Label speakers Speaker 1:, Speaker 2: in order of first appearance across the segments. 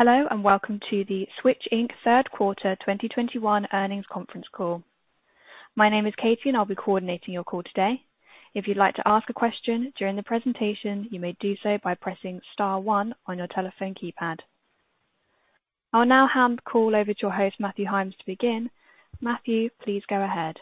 Speaker 1: Hello, and welcome to the Switch, Inc. third quarter 2021 earnings conference call. My name is Katie, and I'll be coordinating your call today. If you'd like to ask a question during the presentation, you may do so by pressing star one on your telephone keypad. I'll now hand the call over to your host, Matthew Heinz, to begin. Matthew, please go ahead.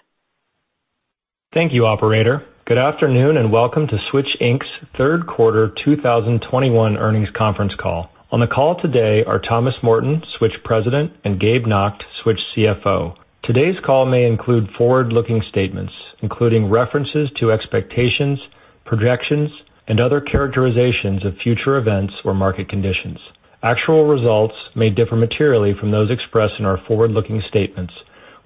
Speaker 2: Thank you, operator. Good afternoon, and welcome to Switch, Inc.'s third quarter 2021 earnings conference call. On the call today are Thomas Morton, Switch President, and Gabe Nacht, Switch CFO. Today's call may include forward-looking statements, including references to expectations, projections, and other characterizations of future events or market conditions. Actual results may differ materially from those expressed in our forward-looking statements,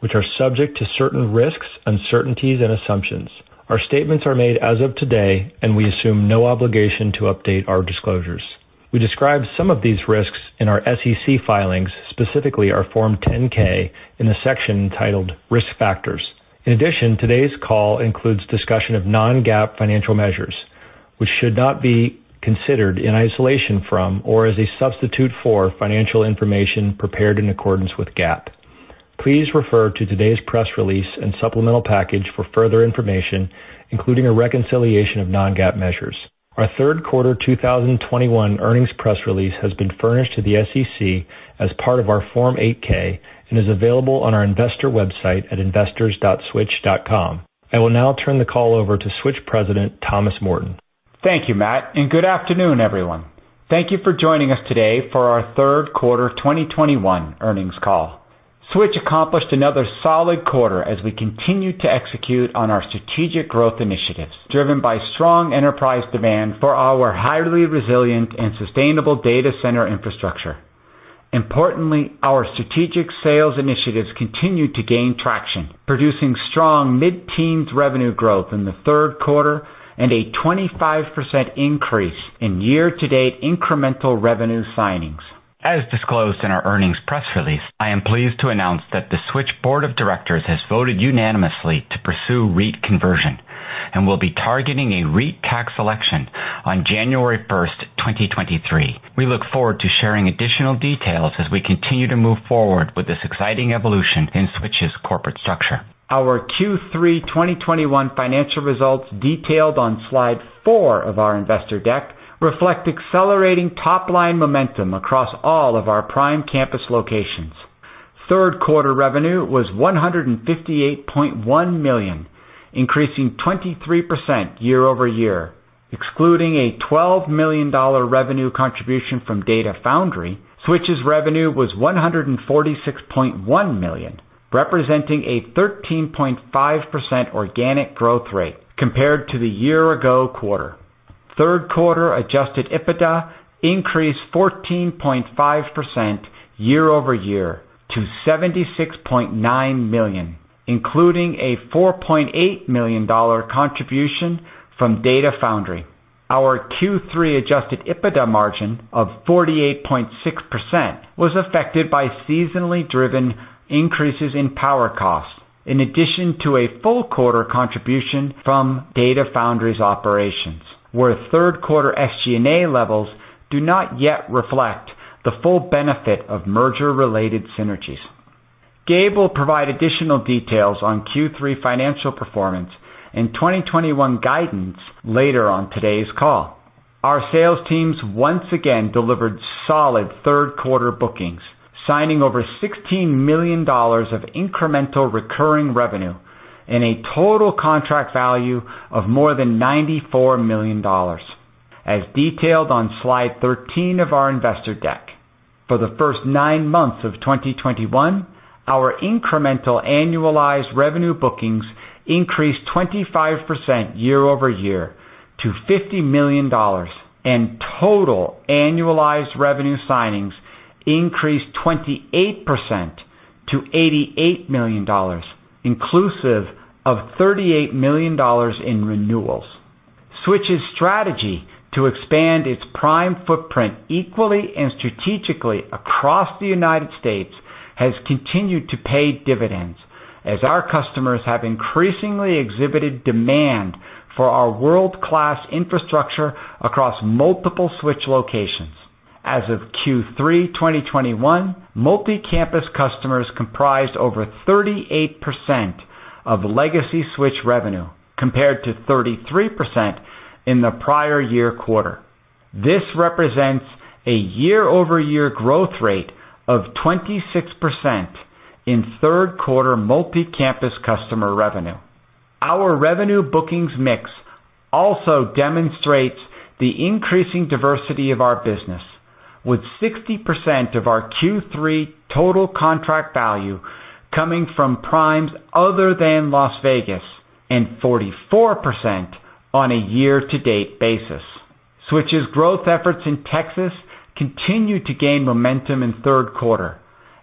Speaker 2: which are subject to certain risks, uncertainties, and assumptions. Our statements are made as of today, and we assume no obligation to update our disclosures. We describe some of these risks in our SEC filings, specifically our Form 10-K, in the section titled Risk Factors. In addition, today's call includes discussion of non-GAAP financial measures, which should not be considered in isolation from or as a substitute for financial information prepared in accordance with GAAP. Please refer to today's press release and supplemental package for further information, including a reconciliation of non-GAAP measures. Our third quarter 2021 earnings press release has been furnished to the SEC as part of our Form 8-K and is available on our investor website at investors.switch.com. I will now turn the call over to Switch President Thomas Morton.
Speaker 3: Thank you, Matt, and good afternoon, everyone. Thank you for joining us today for our third quarter 2021 earnings call. Switch accomplished another solid quarter as we continue to execute on our strategic growth initiatives, driven by strong enterprise demand for our highly resilient and sustainable data center infrastructure. Importantly, our strategic sales initiatives continued to gain traction, producing strong mid-teens revenue growth in the third quarter and a 25% increase in year-to-date incremental revenue signings. As disclosed in our earnings press release, I am pleased to announce that the Switch Board of Directors has voted unanimously to pursue REIT conversion and will be targeting a REIT tax election on January 1st, 2023. We look forward to sharing additional details as we continue to move forward with this exciting evolution in Switch's corporate structure. Our Q3 2021 financial results, detailed on slide four of our investor deck, reflect accelerating top-line momentum across all of our prime campus locations. Third quarter revenue was $158.1 million, increasing 23% year-over-year. Excluding a $12 million revenue contribution from Data Foundry, Switch's revenue was $146.1 million, representing a 13.5% organic growth rate compared to the year ago quarter. Third quarter adjusted EBITDA increased 14.5% year-over-year to $76.9 million, including a $4.8 million contribution from Data Foundry. Our Q3 adjusted EBITDA margin of 48.6% was affected by seasonally driven increases in power costs in addition to a full quarter contribution from Data Foundry's operations, where third quarter SG&A levels do not yet reflect the full benefit of merger-related synergies. Gabe will provide additional details on Q3 financial performance and 2021 guidance later on today's call. Our sales teams once again delivered solid third quarter bookings, signing over $16 million of incremental recurring revenue and a total contract value of more than $94 million, as detailed on slide 13 of our investor deck. For the first nine months of 2021, our incremental annualized revenue bookings increased 25% year-over-year to $50 million, and total annualized revenue signings increased 28% to $88 million, inclusive of $38 million in renewals. Switch's strategy to expand its prime footprint equally and strategically across the United States has continued to pay dividends as our customers have increasingly exhibited demand for our world-class infrastructure across multiple Switch locations. As of Q3 2021, multi-campus customers comprised over 38% of legacy Switch revenue, compared to 33% in the prior year quarter. This represents a year-over-year growth rate of 26% in third quarter multi-campus customer revenue. Our revenue bookings mix also demonstrates the increasing diversity of our business, with 60% of our Q3 total contract value coming from PRIMES other than Las Vegas and 44% on a year-to-date basis. Switch's growth efforts in Texas continued to gain momentum in third quarter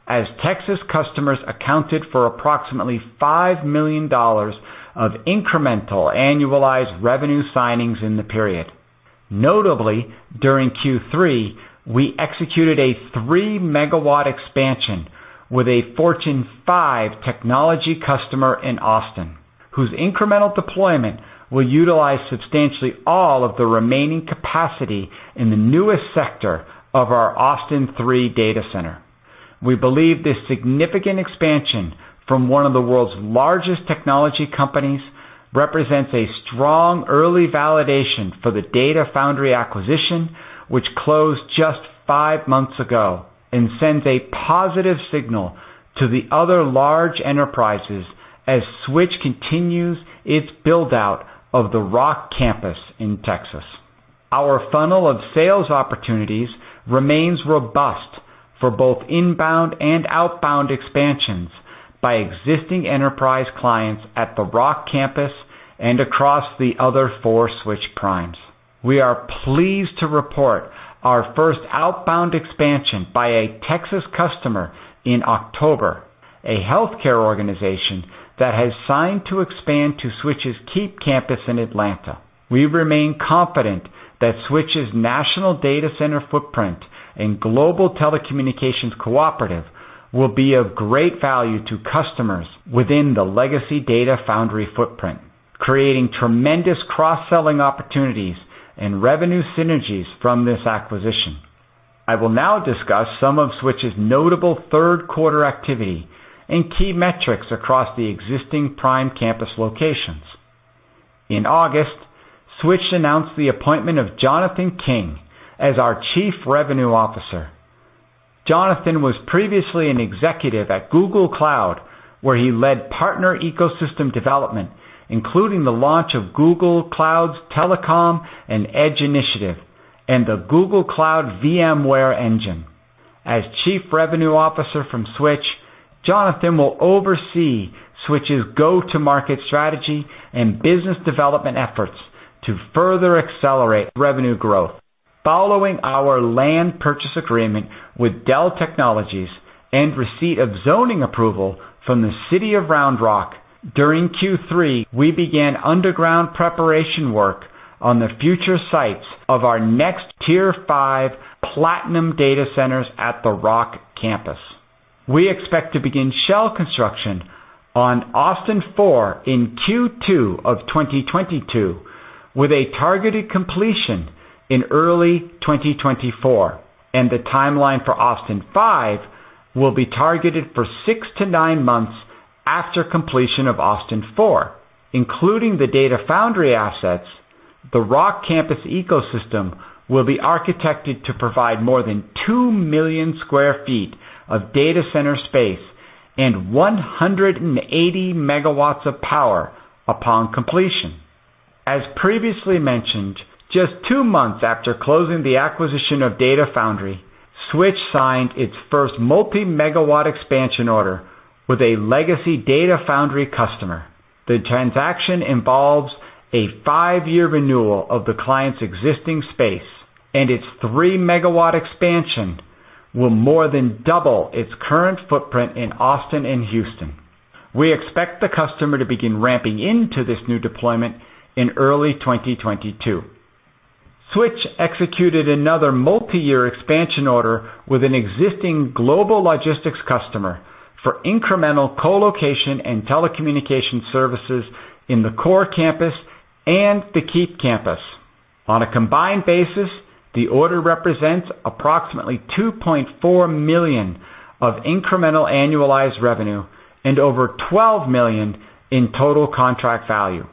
Speaker 3: as Texas customers accounted for approximately $5 million of incremental annualized revenue signings in the period. Notably, during Q3, we executed a 3 MW expansion with a Fortune 5 technology customer in Austin whose incremental deployment will utilize substantially all of the remaining capacity in the newest sector of our Austin 3 data center. We believe this significant expansion from one of the world's largest technology companies represents a strong early validation for the Data Foundry acquisition, which closed just five months ago and sends a positive signal to the other large enterprises as Switch continues its build-out of The Rock campus in Texas. Our funnel of sales opportunities remains robust for both inbound and outbound expansions by existing enterprise clients at The Rock campus and across the other four Switch PRIMES. We are pleased to report our first outbound expansion by a Texas customer in October, a healthcare organization that has signed to expand to Switch's Keep campus in Atlanta. We remain confident that Switch's national data center footprint and global telecommunications cooperative will be of great value to customers within the legacy Data Foundry footprint, creating tremendous cross-selling opportunities and revenue synergies from this acquisition. I will now discuss some of Switch's notable third quarter activity and key metrics across the existing PRIME campus locations. In August, Switch announced the appointment of Jonathan King as our Chief Revenue Officer. Jonathan was previously an executive at Google Cloud, where he led partner ecosystem development, including the launch of Google Cloud's Telecom and Edge initiative and the Google Cloud VMware Engine. As Chief Revenue Officer from Switch, Jonathan will oversee Switch's go-to-market strategy and business development efforts to further accelerate revenue growth. Following our land purchase agreement with Dell Technologies and receipt of zoning approval from the City of Round Rock during Q3, we began underground preparation work on the future sites of our next Tier 5 Platinum data centers at The Rock campus. We expect to begin shell construction on Austin 4 in Q2 of 2022, with a targeted completion in early 2024, and the timeline for Austin 5 will be targeted for six to nine months after completion of Austin 4. Including the Data Foundry assets, The Rocks campus ecosystem will be architected to provide more than 2 million sq ft of data center space and 180 MW of power upon completion. As previously mentioned, just two months after closing the acquisition of Data Foundry, Switch signed its first multi-MW expansion order with a legacy Data Foundry customer. The transaction involves a five-year renewal of the client's existing space, and its 3 MW expansion will more than double its current footprint in Austin and Houston. We expect the customer to begin ramping into this new deployment in early 2022. Switch executed another multi-year expansion order with an existing global logistics customer for incremental colocation and telecommunication services in The Core campus and The Keep campus. On a combined basis, the order represents approximately $2.4 million of incremental annualized revenue and over $12 million in total contract value.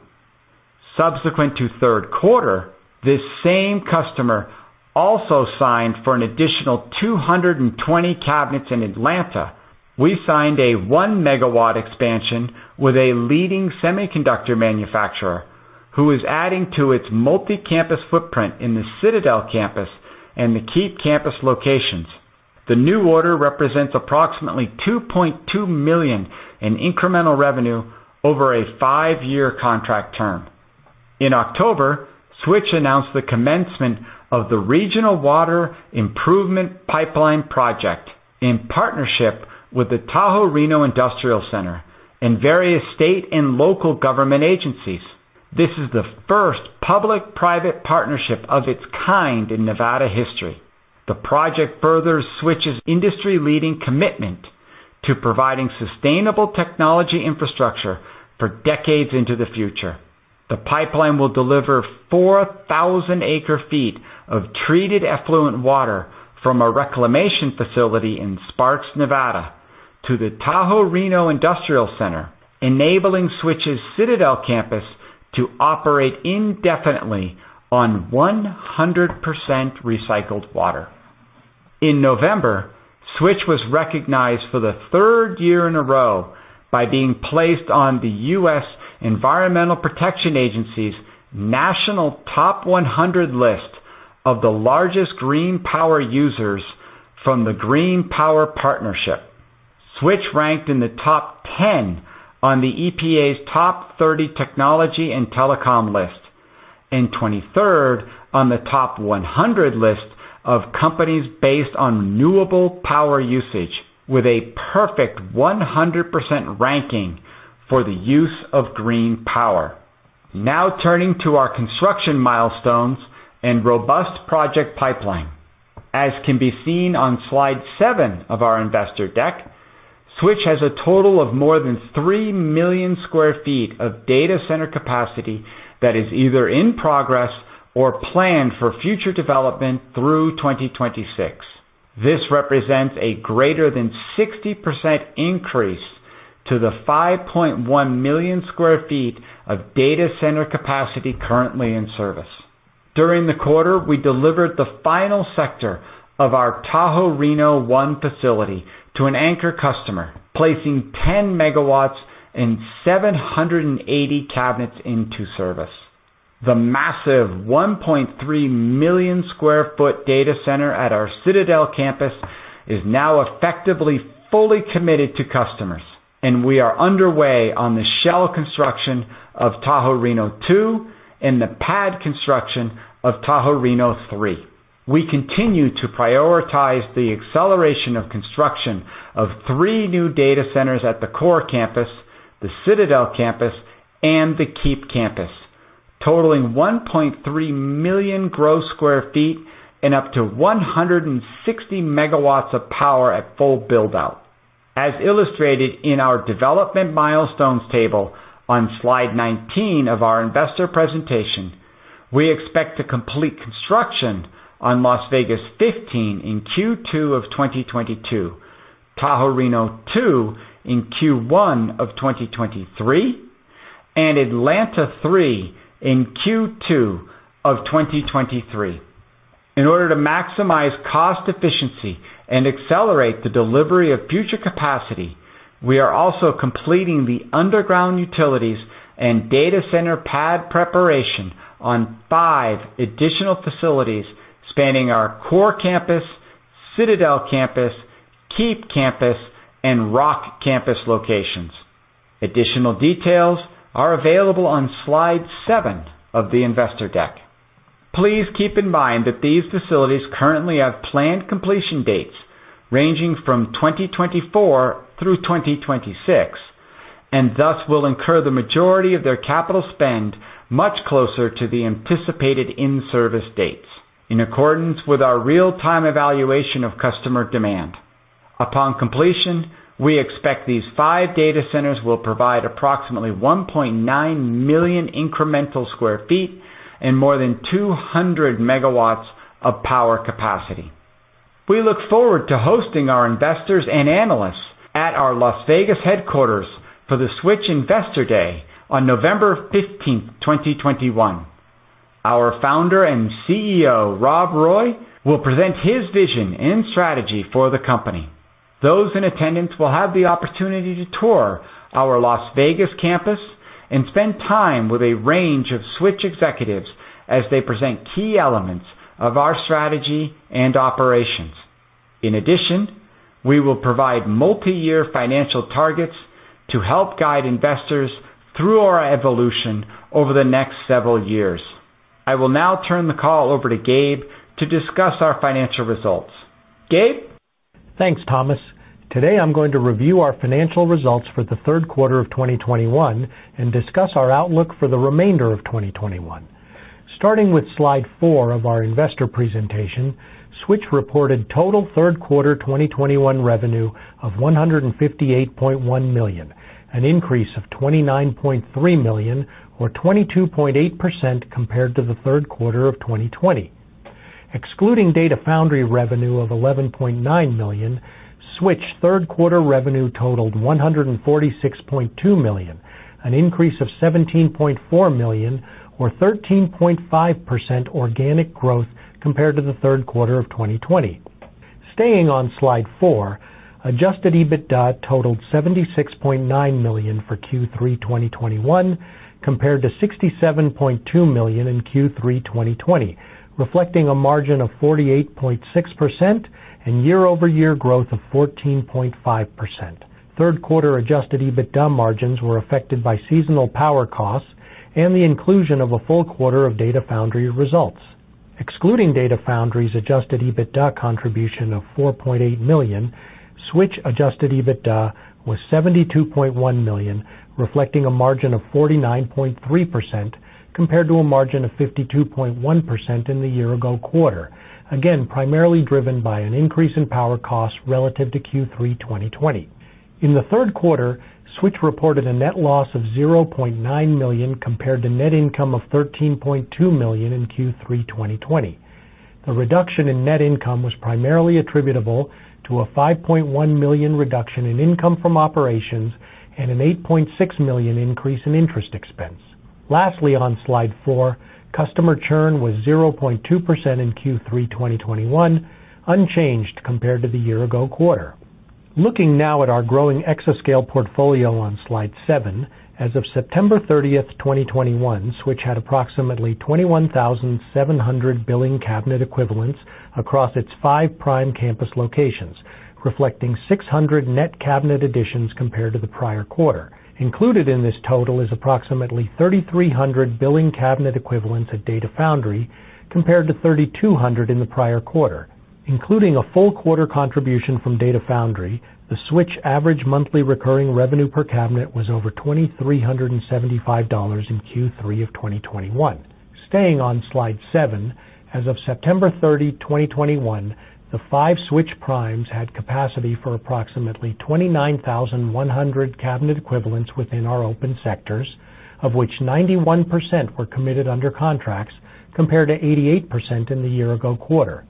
Speaker 3: Subsequent to third quarter, this same customer also signed for an additional 220 cabinets in Atlanta. We signed a 1 MW expansion with a leading semiconductor manufacturer who is adding to its multi-campus footprint in The Citadel campus and The Keep campus locations. The new order represents approximately $2.2 million in incremental revenue over a five-year contract term. In October, Switch announced the commencement of the Regional Water Improvement Pipeline project in partnership with the Tahoe Reno Industrial Center and various state and local government agencies. This is the first public-private partnership of its kind in Nevada history. The project furthers Switch's industry-leading commitment to providing sustainable technology infrastructure for decades into the future. The pipeline will deliver 4,000 acre-feet of treated effluent water from a reclamation facility in Sparks, Nevada, to the Tahoe Reno Industrial Center, enabling Switch's Citadel campus to operate indefinitely on 100% recycled water. In November, Switch was recognized for the third year in a row by being placed on the U.S. Environmental Protection Agency's national top 100 list of the largest green power users from the Green Power Partnership. Switch ranked in the top 10 on the EPA's top 30 technology and telecom list and 23rd on the top 100 list of companies based on renewable power usage with a perfect 100% ranking for the use of green power. Now turning to our construction milestones and robust project pipeline. As can be seen on slide seven of our investor deck, Switch has a total of more than 3 million sq ft of data center capacity that is either in progress or planned for future development through 2026. This represents a greater than 60% increase to the 5.1 million sq ft of data center capacity currently in service. During the quarter, we delivered the final sector of our TAHOE RENO 1 facility to an anchor customer, placing 10 MW and 780 cabinets into service. The massive 1.3 million sq ft data center at our Citadel Campus is now effectively fully committed to customers, and we are underway on the shell construction of Tahoe Reno 2 and the pad construction of Tahoe Reno 3. We continue to prioritize the acceleration of construction of three new data centers at The Core Campus, The Citadel Campus, and The Keep Campus, totaling 1.3 million gross sq ft and up to 160 MW of power at full build-out. As illustrated in our development milestones table on slide 19 of our investor presentation, we expect to complete construction on Las Vegas 15 in Q2 of 2022, Tahoe Reno 2 in Q1 of 2023, and Atlanta 3 in Q2 of 2023. In order to maximize cost efficiency and accelerate the delivery of future capacity, we are also completing the underground utilities and data center pad preparation on five additional facilities spanning our Core Campus, Citadel Campus, Keep Campus, and Rock Campus locations. Additional details are available on slide seven of the investor deck. Please keep in mind that these facilities currently have planned completion dates ranging from 2024 through 2026, and thus will incur the majority of their capital spend much closer to the anticipated in-service dates in accordance with our real-time evaluation of customer demand. Upon completion, we expect these five data centers will provide approximately 1.9 million incremental sq ft and more than 200 MW of power capacity. We look forward to hosting our investors and analysts at our Las Vegas headquarters for the Switch Investor Day on November 15, 2021. Our founder and CEO, Rob Roy, will present his vision and strategy for the company. Those in attendance will have the opportunity to tour our Las Vegas campus and spend time with a range of Switch executives as they present key elements of our strategy and operations. In addition, we will provide multiyear financial targets to help guide investors through our evolution over the next several years. I will now turn the call over to Gabe to discuss our financial results. Gabe?
Speaker 4: Thanks, Thomas. Today, I'm going to review our financial results for the third quarter of 2021 and discuss our outlook for the remainder of 2021. Starting with slide four of our investor presentation, Switch reported total third quarter 2021 revenue of $158.1 million, an increase of $29.3 million or 22.8% compared to the third quarter of 2020. Excluding Data Foundry revenue of $11.9 million, Switch third quarter revenue totaled $146.2 million, an increase of $17.4 million or 13.5% organic growth compared to the third quarter of 2020. Staying on slide four, adjusted EBITDA totaled $76.9 million for Q3 2021 compared to $67.2 million in Q3 2020, reflecting a margin of 48.6% and year-over-year growth of 14.5%. Third quarter adjusted EBITDA margins were affected by seasonal power costs and the inclusion of a full quarter of Data Foundry results. Excluding Data Foundry's adjusted EBITDA contribution of $4.8 million, Switch adjusted EBITDA was $72.1 million, reflecting a margin of 49.3% compared to a margin of 52.1% in the year-ago quarter. Again, primarily driven by an increase in power costs relative to Q3 2020. In the third quarter, Switch reported a net loss of $0.9 million compared to net income of $13.2 million in Q3 2020. The reduction in net income was primarily attributable to a $5.1 million reduction in income from operations and an $8.6 million increase in interest expense. Lastly, on slide four, customer churn was 0.2% in Q3 2021, unchanged compared to the year-ago quarter. Looking now at our growing exascale portfolio on slide seven, as of September 30th, 2021, Switch had approximately 21,700 billing cabinet equivalents across its five PRIME campus locations, reflecting 600 net cabinet additions compared to the prior quarter. Included in this total is approximately 3,300 billing cabinet equivalents at Data Foundry compared to 3,200 in the prior quarter. Including a full quarter contribution from Data Foundry, the Switch average monthly recurring revenue per cabinet was over $2,375 in Q3 of 2021. Staying on slide seven, as of September 30, 2021, the five Switch PRIMES had capacity for approximately 29,100 cabinet equivalents within our open sectors, of which 91% were committed under contracts compared to 88% in the year ago quarter.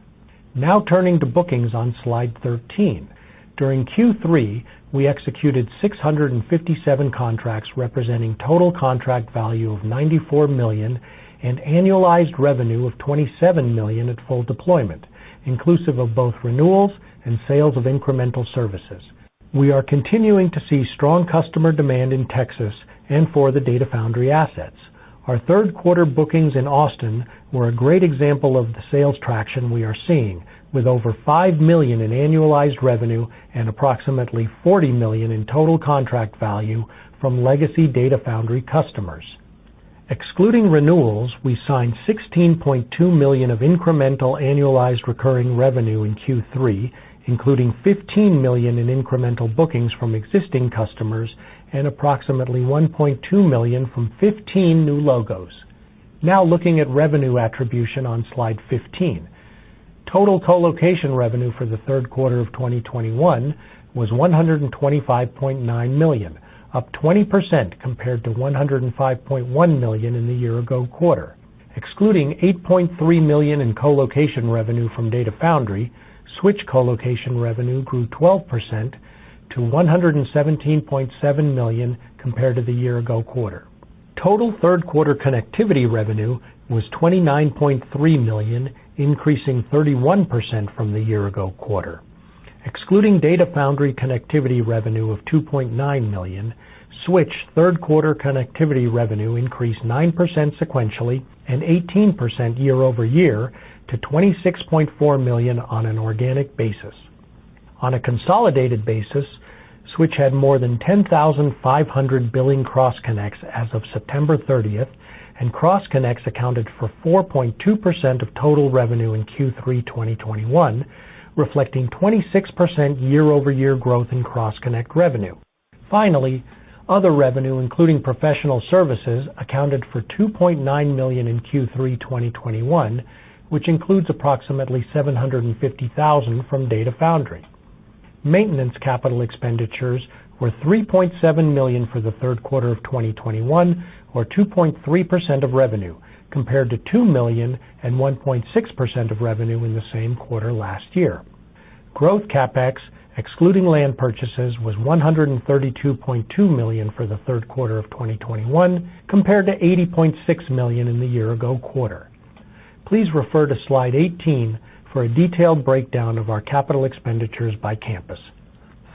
Speaker 4: Now turning to bookings on slide 13. During Q3, we executed 657 contracts representing total contract value of $94 million and annualized revenue of $27 million at full deployment, inclusive of both renewals and sales of incremental services. We are continuing to see strong customer demand in Texas and for the Data Foundry assets. Our third quarter bookings in Austin were a great example of the sales traction we are seeing with over $5 million in annualized revenue and approximately $40 million in total contract value from legacy Data Foundry customers. Excluding renewals, we signed $16.2 million of incremental annualized recurring revenue in Q3, including $15 million in incremental bookings from existing customers and approximately $1.2 million from 15 new logos. Now looking at revenue attribution on slide 15. Total colocation revenue for the third quarter of 2021 was $125.9 million, up 20% compared to $105.1 million in the year ago quarter. Excluding $8.3 million in colocation revenue from Data Foundry, Switch colocation revenue grew 12% to $117.7 million compared to the year ago quarter. Total third quarter connectivity revenue was $29.3 million, increasing 31% from the year ago quarter. Excluding Data Foundry connectivity revenue of $2.9 million, Switch third quarter connectivity revenue increased 9% sequentially and 18% year-over-year to $26.4 million on an organic basis. On a consolidated basis, Switch had more than 10,500 cross connects as of September 30th, and cross connects accounted for 4.2% of total revenue in Q3 2021, reflecting 26% year-over-year growth in cross-connect revenue. Other revenue, including professional services, accounted for $2.9 million in Q3 2021, which includes approximately $750,000 from Data Foundry. Maintenance capital expenditures were $3.7 million for the third quarter of 2021, or 2.3% of revenue, compared to $2 million and 1.6% of revenue in the same quarter last year. Growth CapEx, excluding land purchases, was $132.2 million for the third quarter of 2021 compared to $80.6 million in the year-ago quarter. Please refer to slide 18 for a detailed breakdown of our capital expenditures by campus.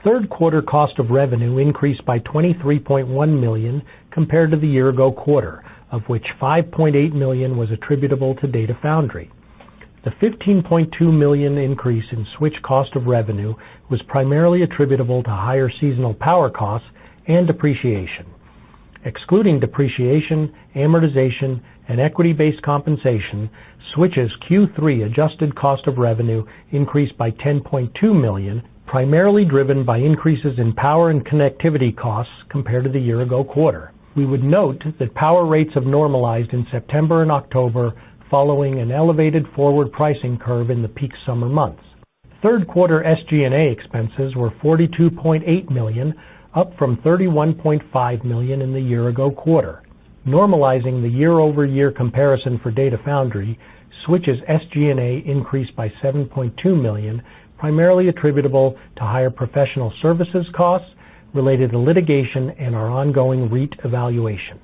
Speaker 4: Third quarter cost of revenue increased by $23.1 million compared to the year-ago quarter, of which $5.8 million was attributable to Data Foundry. The $15.2 million increase in Switch cost of revenue was primarily attributable to higher seasonal power costs and depreciation. Excluding depreciation, amortization, and equity-based compensation, Switch's Q3 adjusted cost of revenue increased by $10.2 million, primarily driven by increases in power and connectivity costs compared to the year-ago quarter. We would note that power rates have normalized in September and October following an elevated forward pricing curve in the peak summer months. Third quarter SG&A expenses were $42.8 million, up from $31.5 million in the year-ago quarter. Normalizing the year-over-year comparison for Data Foundry, Switch's SG&A increased by $7.2 million, primarily attributable to higher professional services costs related to litigation and our ongoing REIT evaluation.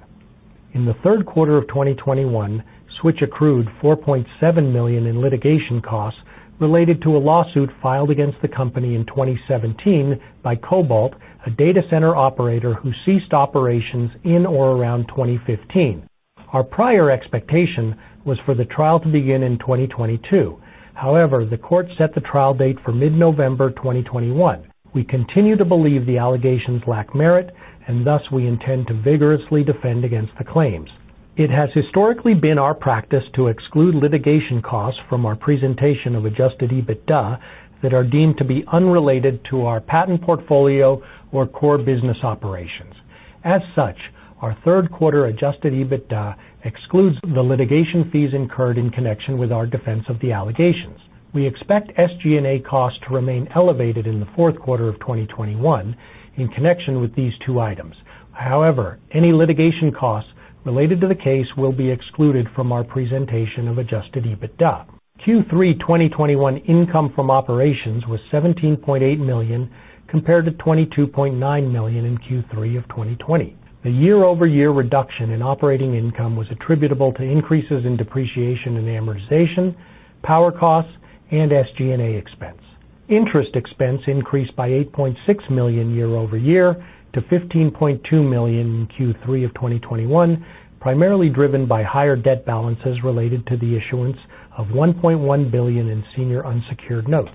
Speaker 4: In the third quarter of 2021, Switch accrued $4.7 million in litigation costs related to a lawsuit filed against the company in 2017 by Cobalt, a data center operator who ceased operations in or around 2015. Our prior expectation was for the trial to begin in 2022. However, the court set the trial date for mid-November 2021. We continue to believe the allegations lack merit, and thus we intend to vigorously defend against the claims. It has historically been our practice to exclude litigation costs from our presentation of adjusted EBITDA that are deemed to be unrelated to our patent portfolio or core business operations. As such, our third quarter adjusted EBITDA excludes the litigation fees incurred in connection with our defense of the allegations. We expect SG&A costs to remain elevated in the fourth quarter of 2021 in connection with these two items. However, any litigation costs related to the case will be excluded from our presentation of adjusted EBITDA. Q3 2021 income from operations was $17.8 million, compared to $22.9 million in Q3 of 2020. The year-over-year reduction in operating income was attributable to increases in depreciation and amortization, power costs, and SG&A expense. Interest expense increased by $8.6 million year-over-year to $15.2 million in Q3 of 2021, primarily driven by higher debt balances related to the issuance of $1.1 billion in senior unsecured notes.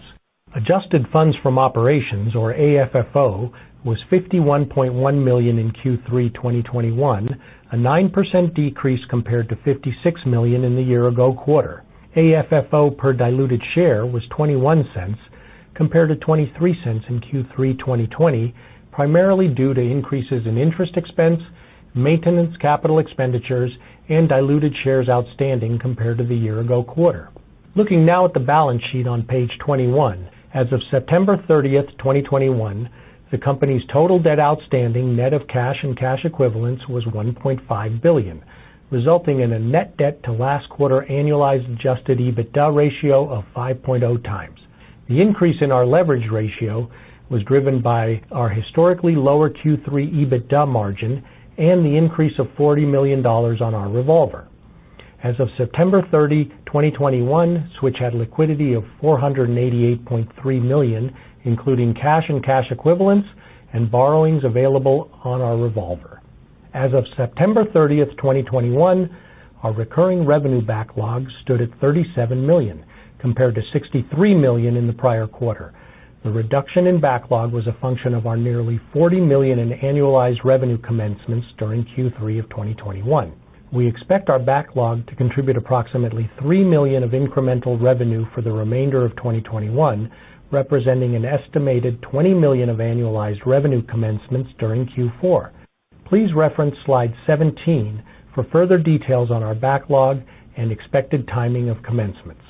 Speaker 4: Adjusted funds from operations or AFFO was $51.1 million in Q3 2021, a 9% decrease compared to $56 million in the year ago quarter. AFFO per diluted share was $0.21 compared to $0.23 in Q3 2022, primarily due to increases in interest expense, maintenance capital expenditures, and diluted shares outstanding compared to the year ago quarter. Looking now at the balance sheet on page 21. As of September 30th, 2021, the company's total debt outstanding, net of cash and cash equivalents, was $1.5 billion, resulting in a net debt to last quarter annualized adjusted EBITDA ratio of 5.0x. The increase in our leverage ratio was driven by our historically lower Q3 EBITDA margin and the increase of $40 million on our revolver. As of September 30, 2021, Switch had liquidity of $488.3 million, including cash and cash equivalents and borrowings available on our revolver. As of September 30th, 2021, our recurring revenue backlog stood at $37 million, compared to $63 million in the prior quarter. The reduction in backlog was a function of our nearly $40 million in annualized revenue commencements during Q3 of 2021. We expect our backlog to contribute approximately $3 million of incremental revenue for the remainder of 2021, representing an estimated $20 million of annualized revenue commencements during Q4. Please reference slide 17 for further details on our backlog and expected timing of commencements.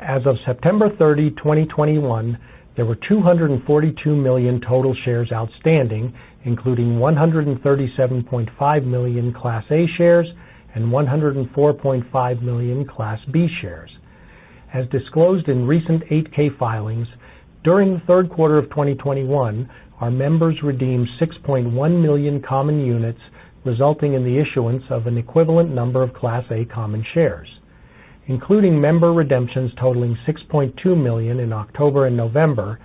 Speaker 4: As of September 30, 2021, there were 242 million total shares outstanding, including 137.5 million Class A shares and 104.5 million Class B shares. As disclosed in recent 8-K filings, during the third quarter of 2021, our members redeemed 6.1 million common units, resulting in the issuance of an equivalent number of Class A common shares. Including member redemptions totaling 6.2 million in October and November,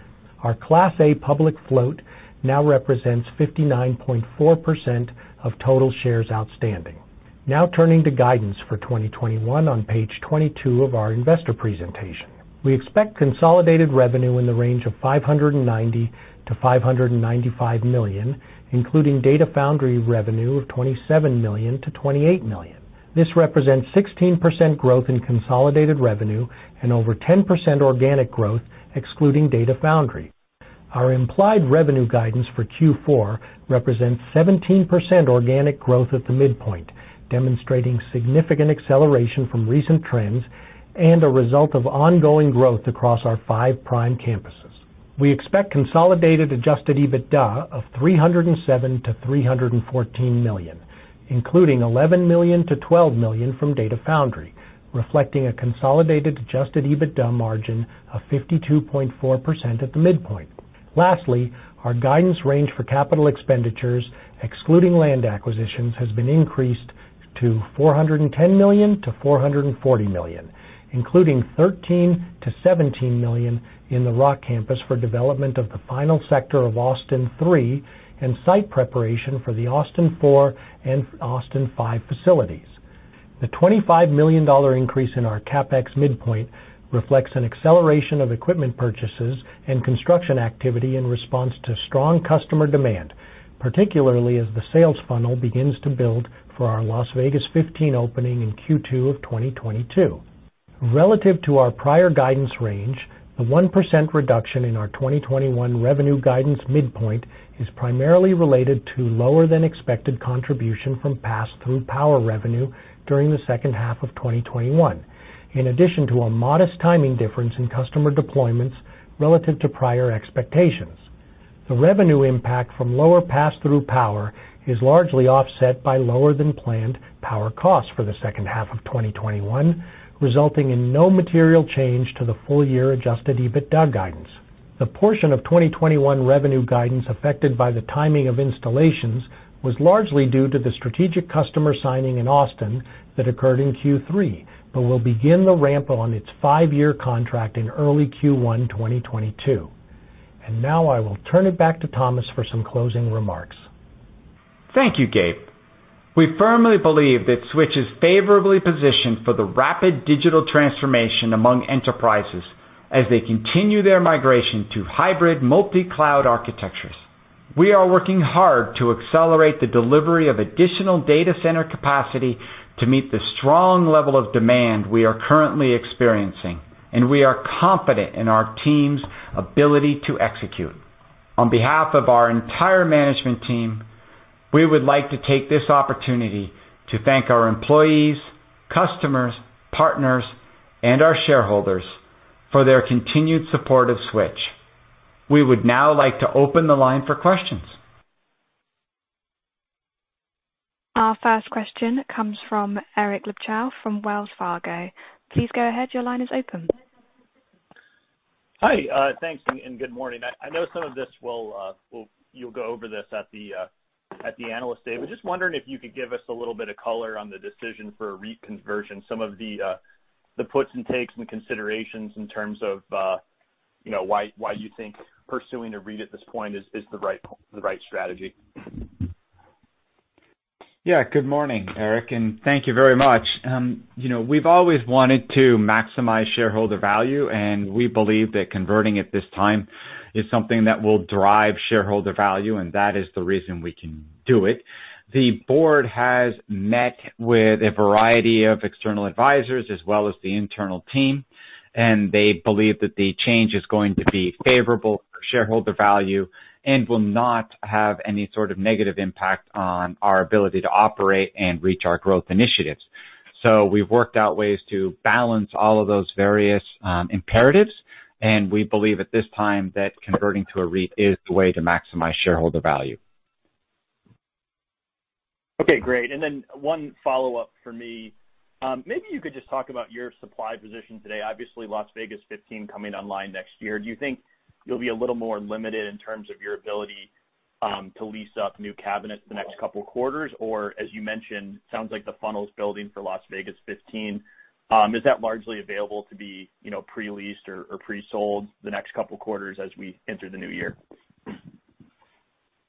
Speaker 4: our Class A public float now represents 59.4% of total shares outstanding. Now turning to guidance for 2021 on page 22 of our investor presentation. We expect consolidated revenue in the range of $590 million-$595 million, including Data Foundry revenue of $27 million-$28 million. This represents 16% growth in consolidated revenue and over 10% organic growth excluding Data Foundry. Our implied revenue guidance for Q4 represents 17% organic growth at the midpoint, demonstrating significant acceleration from recent trends and a result of ongoing growth across our five prime campuses. We expect consolidated adjusted EBITDA of $307 million-$314 million, including $11 million-$12 million from Data Foundry, reflecting a consolidated adjusted EBITDA margin of 52.4% at the midpoint. Lastly, our guidance range for capital expenditures, excluding land acquisitions, has been increased to $410 million-$440 million, including $13 million-$17 million in The Rock Campus for development of the final sector of Austin 3 and site preparation for the Austin 4 and Austin 5 facilities. The $25 million increase in our CapEx midpoint reflects an acceleration of equipment purchases and construction activity in response to strong customer demand, particularly as the sales funnel begins to build for our Las Vegas 15 opening in Q2 of 2022. Relative to our prior guidance range, the 1% reduction in our 2021 revenue guidance midpoint is primarily related to lower than expected contribution from pass through power revenue during the second half of 2021, in addition to a modest timing difference in customer deployments relative to prior expectations. The revenue impact from lower pass through power is largely offset by lower than planned power costs for the second half of 2021, resulting in no material change to the full year adjusted EBITDA guidance. The portion of 2021 revenue guidance affected by the timing of installations was largely due to the strategic customer signing in Austin that occurred in Q3, but will begin the ramp on its five-year contract in early Q1 2022. Now I will turn it back to Thomas for some closing remarks.
Speaker 3: Thank you, Gabe. We firmly believe that Switch is favorably positioned for the rapid digital transformation among enterprises as they continue their migration to hybrid multi-cloud architectures. We are working hard to accelerate the delivery of additional data center capacity to meet the strong level of demand we are currently experiencing, and we are confident in our team's ability to execute. On behalf of our entire management team, we would like to take this opportunity to thank our employees, customers, partners, and our shareholders for their continued support of Switch. We would now like to open the line for questions.
Speaker 1: Our first question comes from Erik Luebchow from Wells Fargo. Please go ahead. Your line is open.
Speaker 5: Hi, thanks and good morning. I know some of this will. You'll go over this at the analyst day. Just wondering if you could give us a little bit of color on the decision for a REIT conversion, some of the puts and takes and considerations in terms of, you know, why you think pursuing a REIT at this point is the right strategy.
Speaker 3: Yeah. Good morning, Erik, and thank you very much. You know, we've always wanted to maximize shareholder value, and we believe that converting at this time is something that will drive shareholder value, and that is the reason we can do it. The board has met with a variety of external advisors as well as the internal team, and they believe that the change is going to be favorable for shareholder value and will not have any sort of negative impact on our ability to operate and reach our growth initiatives. We've worked out ways to balance all of those various imperatives, and we believe at this time that converting to a REIT is the way to maximize shareholder value.
Speaker 5: Okay, great. One follow-up for me. Maybe you could just talk about your supply position today. Obviously, Las Vegas 15 coming online next year. Do you think you'll be a little more limited in terms of your ability to lease up new cabinets the next couple of quarters? As you mentioned, sounds like the funnel's building for Las Vegas 15. Is that largely available to be, you know, pre-leased or pre-sold the next couple quarters as we enter the new year?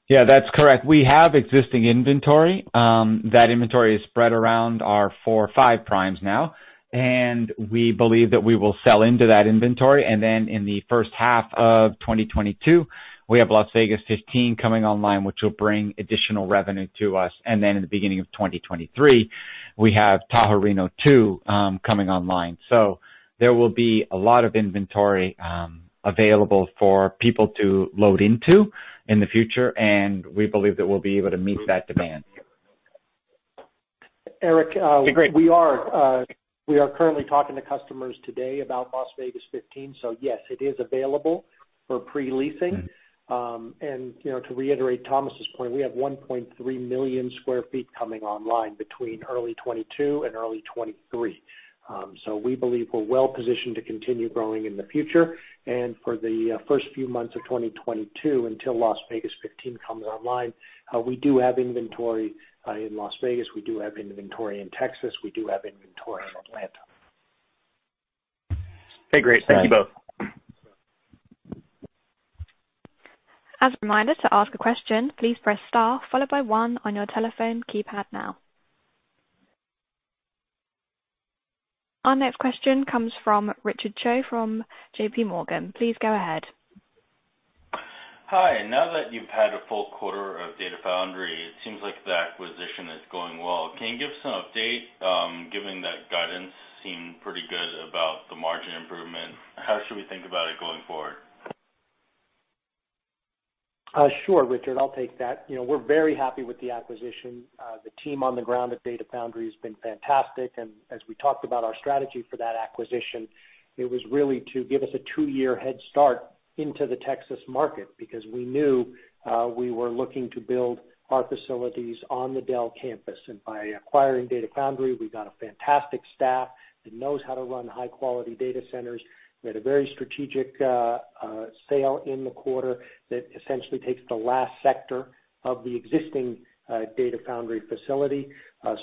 Speaker 3: Yeah, that's correct. We have existing inventory. That inventory is spread around our four or five PRIMES now, and we believe that we will sell into that inventory. In the first half of 2022, we have Las Vegas 15 coming online, which will bring additional revenue to us. At the beginning of 2023, we have Tahoe Reno 2 coming online. There will be a lot of inventory available for people to load into in the future, and we believe that we'll be able to meet that demand.
Speaker 4: Erik, We are currently talking to customers today about Las Vegas 15, so yes, it is available for pre-leasing. You know, to reiterate Thomas's point, we have 1.3 million sq ft coming online between early 2022 and early 2023. We believe we're well positioned to continue growing in the future. For the first few months of 2022 until Las Vegas 15 comes online, we do have inventory in Las Vegas, we do have inventory in Texas, we do have inventory in Atlanta.
Speaker 5: Okay, great. Thank you both.
Speaker 3: Yeah.
Speaker 1: As a reminder to ask a question, please press star followed by one on your telephone keypad now. Our next question comes from Richard Choe from JPMorgan. Please go ahead.
Speaker 6: Hi. Now that you've had a full quarter of Data Foundry, it seems like the acquisition is going well. Can you give us an update, given that guidance seemed pretty good about the margin improvement? How should we think about it going forward?
Speaker 4: Sure, Richard, I'll take that. You know, we're very happy with the acquisition. The team on the ground at Data Foundry has been fantastic. As we talked about our strategy for that acquisition, it was really to give us a two-year head start into the Texas market because we knew we were looking to build our facilities on the Dell campus. By acquiring Data Foundry, we got a fantastic staff that knows how to run high-quality data centers. We had a very strategic sale in the quarter that essentially takes the last sector of the existing Data Foundry facility.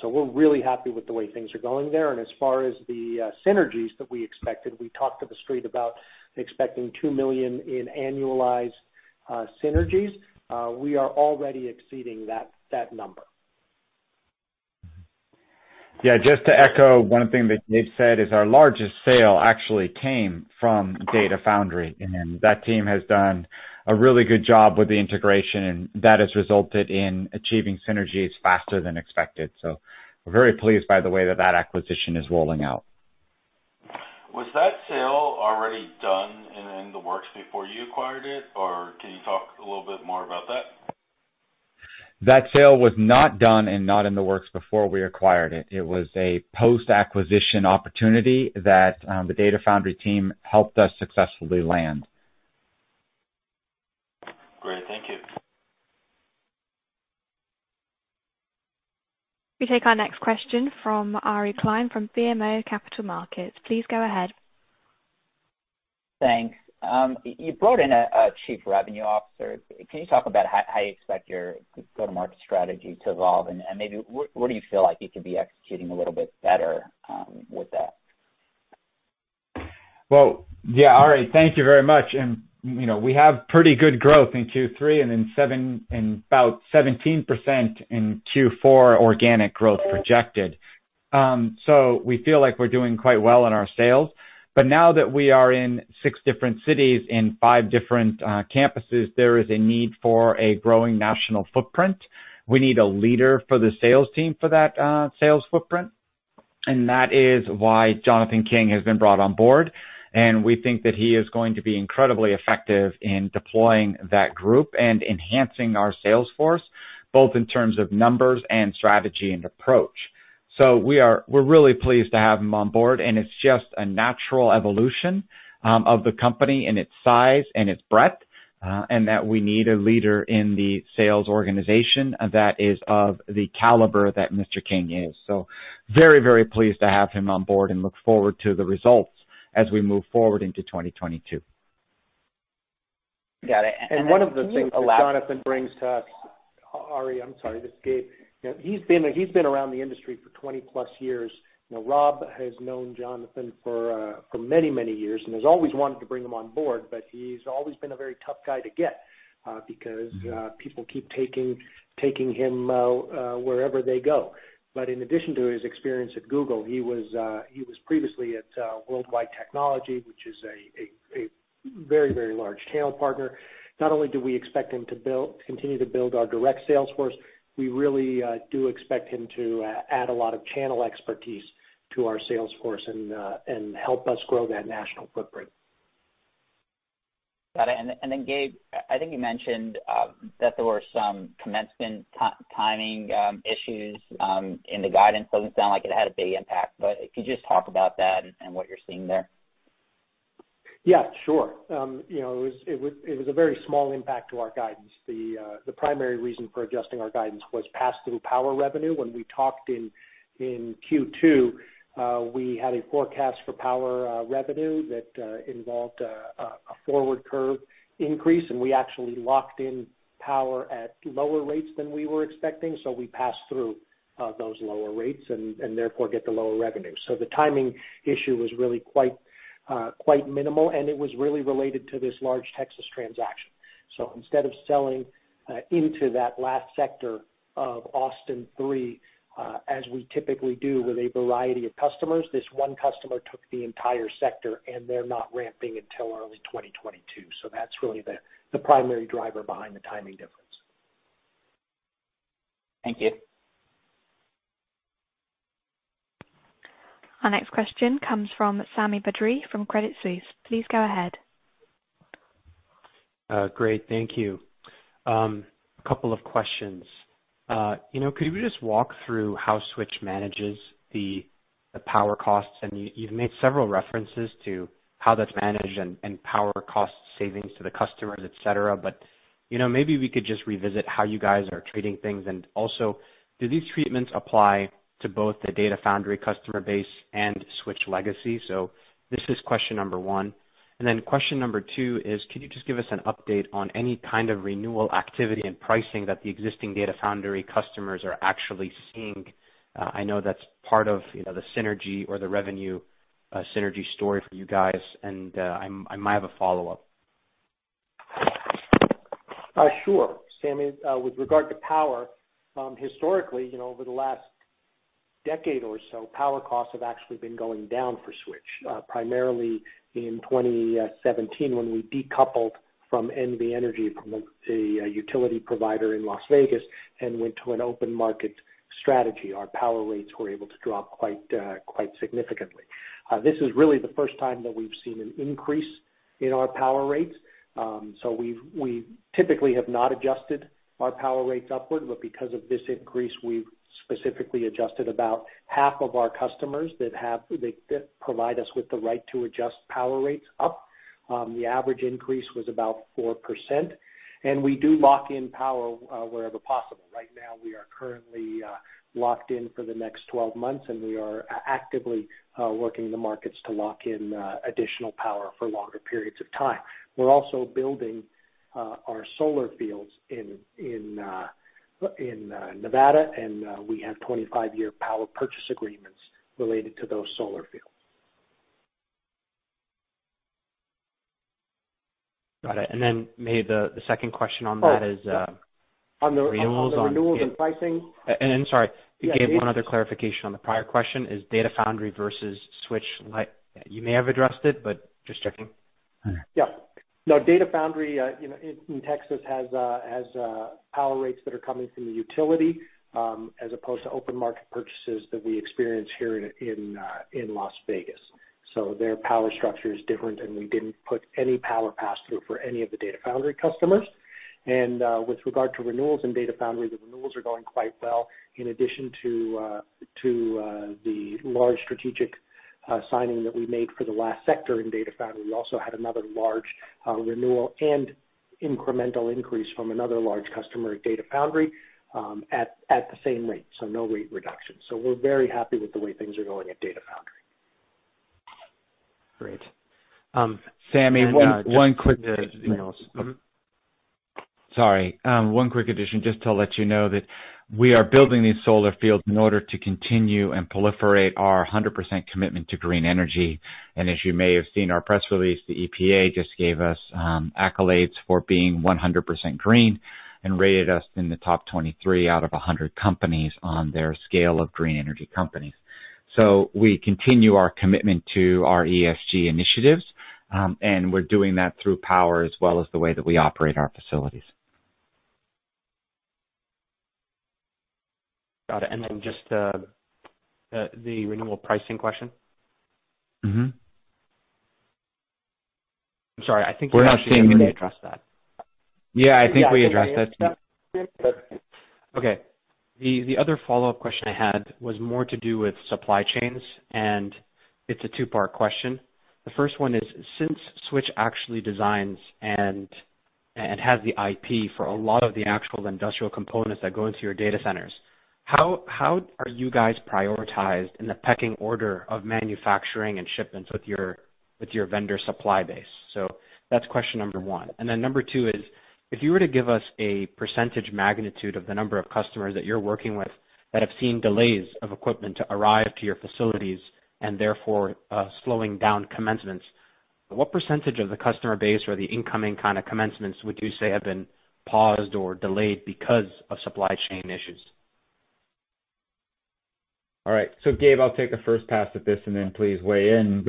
Speaker 4: So we're really happy with the way things are going there. As far as the synergies that we expected, we talked to the street about expecting $2 million in annualized synergies. We are already exceeding that number.
Speaker 3: Yeah, just to echo one thing that Gabe said is our largest sale actually came from Data Foundry, and that team has done a really good job with the integration, and that has resulted in achieving synergies faster than expected. We're very pleased by the way that that acquisition is rolling out.
Speaker 6: Was that sale already done and in the works before you acquired it, or can you talk a little bit more about that?
Speaker 3: That sale was not done and not in the works before we acquired it. It was a post-acquisition opportunity that, the Data Foundry team helped us successfully land.
Speaker 6: Great. Thank you.
Speaker 1: We take our next question from Ari Klein from BMO Capital Markets. Please go ahead.
Speaker 7: Thanks. You brought in a Chief Revenue Officer. Can you talk about how you expect your go-to-market strategy to evolve? Maybe what do you feel like you could be executing a little bit better with that?
Speaker 3: Well, yeah. Ari, thank you very much. You know, we have pretty good growth in Q3 and about 17% in Q4 organic growth projected. We feel like we're doing quite well in our sales. Now that we are in six different cities in five different campuses, there is a need for a growing national footprint. We need a leader for the sales team for that sales footprint, and that is why Jonathan King has been brought on board. We think that he is going to be incredibly effective in deploying that group and enhancing our sales force, both in terms of numbers and strategy and approach. We're really pleased to have him on board, and it's just a natural evolution of the company and its size and its breadth, and that we need a leader in the sales organization that is of the caliber that Mr. King is. Very, very pleased to have him on board and look forward to the results as we move forward into 2022.
Speaker 7: Got it.
Speaker 4: One of the things that Jonathan brings to us, Ari, I'm sorry, this is Gabe. You know, he's been around the industry for 20+ years. You know, Rob has known Jonathan for many years and has always wanted to bring him on board, but he's always been a very tough guy to get because people keep taking him wherever they go. In addition to his experience at Google, he was previously at World Wide Technology, which is a very large channel partner. Not only do we expect him to continue to build our direct sales force, we really do expect him to add a lot of channel expertise to our sales force and help us grow that national footprint.
Speaker 7: Got it. Gabe, I think you mentioned that there were some commencement timing issues in the guidance. Doesn't sound like it had a big impact, but if you just talk about that and what you're seeing there.
Speaker 4: Yeah, sure. You know, it was a very small impact to our guidance. The primary reason for adjusting our guidance was pass-through power revenue. When we talked in Q2, we had a forecast for power revenue that involved a forward curve increase, and we actually locked in power at lower rates than we were expecting. We passed through those lower rates and therefore got the lower revenue. The timing issue was really quite minimal, and it was really related to this large Texas transaction. Instead of selling into that last sector of Austin 3, as we typically do with a variety of customers, this one customer took the entire sector, and they're not ramping until early 2022. That's really the primary driver behind the timing difference.
Speaker 7: Thank you.
Speaker 1: Our next question comes from Sami Badri from Credit Suisse. Please go ahead.
Speaker 8: Great. Thank you. Couple of questions. You know, could you just walk through how Switch manages the power costs? You, you've made several references to how that's managed and power cost savings to the customers, et cetera. You know, maybe we could just revisit how you guys are treating things. Also, do these treatments apply to both the Data Foundry customer base and Switch legacy? This is question number one. Then question number two is, can you just give us an update on any kind of renewal activity and pricing that the existing Data Foundry customers are actually seeing? I know that's part of, you know, the synergy or the revenue, synergy story for you guys. I might have a follow-up.
Speaker 4: Sure, Sami. With regard to power, historically, you know, over the last decade or so, power costs have actually been going down for Switch. Primarily in 2017, when we decoupled from NV Energy as a utility provider in Las Vegas and went to an open market strategy, our power rates were able to drop quite significantly. This is really the first time that we've seen an increase in our power rates. We typically have not adjusted our power rates upward, but because of this increase, we've specifically adjusted about half of our customers that provide us with the right to adjust power rates up. The average increase was about 4%. We do lock in power wherever possible. Right now, we are currently locked in for the next 12 months, and we are actively working in the markets to lock in additional power for longer periods of time. We're also building our solar fields in Nevada, and we have 25-year power purchase agreements related to those solar fields.
Speaker 8: Got it. Maybe the second question.
Speaker 4: On the renewals and pricing?
Speaker 8: Sorry. Gabe, one other clarification on the prior question is Data Foundry versus Switch. You may have addressed it, but just checking.
Speaker 4: Yeah. No, Data Foundry, you know, in Texas has power rates that are coming from the utility, as opposed to open market purchases that we experience here in Las Vegas. Their power structure is different, and we didn't put any power pass through for any of the Data Foundry customers. With regard to renewals and Data Foundry, the renewals are going quite well. In addition to the large strategic signing that we made for the last sector in Data Foundry, we also had another large renewal and incremental increase from another large customer at Data Foundry, at the same rate. No rate reduction. We're very happy with the way things are going at Data Foundry.
Speaker 8: Great.
Speaker 3: Sami, one quick sorry. One quick addition, just to let you know that we are building these solar fields in order to continue and proliferate our 100% commitment to green energy. As you may have seen our press release, the EPA just gave us accolades for being 100% green and rated us in the top 23 out of 100 companies on their scale of green energy companies. We continue our commitment to our ESG initiatives, and we're doing that through power as well as the way that we operate our facilities.
Speaker 8: Got it. Just the renewal pricing question.
Speaker 4: I'm sorry. I think we actually may have addressed that.
Speaker 3: Yeah. I think we addressed that.
Speaker 8: Okay. The other follow-up question I had was more to do with supply chains, and it's a two-part question. The first one is, since Switch actually designs and has the IP for a lot of the actual industrial components that go into your data centers, how are you guys prioritized in the pecking order of manufacturing and shipments with your vendor supply base? That's question number one. Number two is, if you were to give us a percentage magnitude of the number of customers that you're working with that have seen delays of equipment to arrive to your facilities and therefore slowing down commencements, what percentage of the customer base or the incoming kind of commencements would you say have been paused or delayed because of supply chain issues?
Speaker 3: All right. Gabe, I'll take a first pass at this and then please weigh in.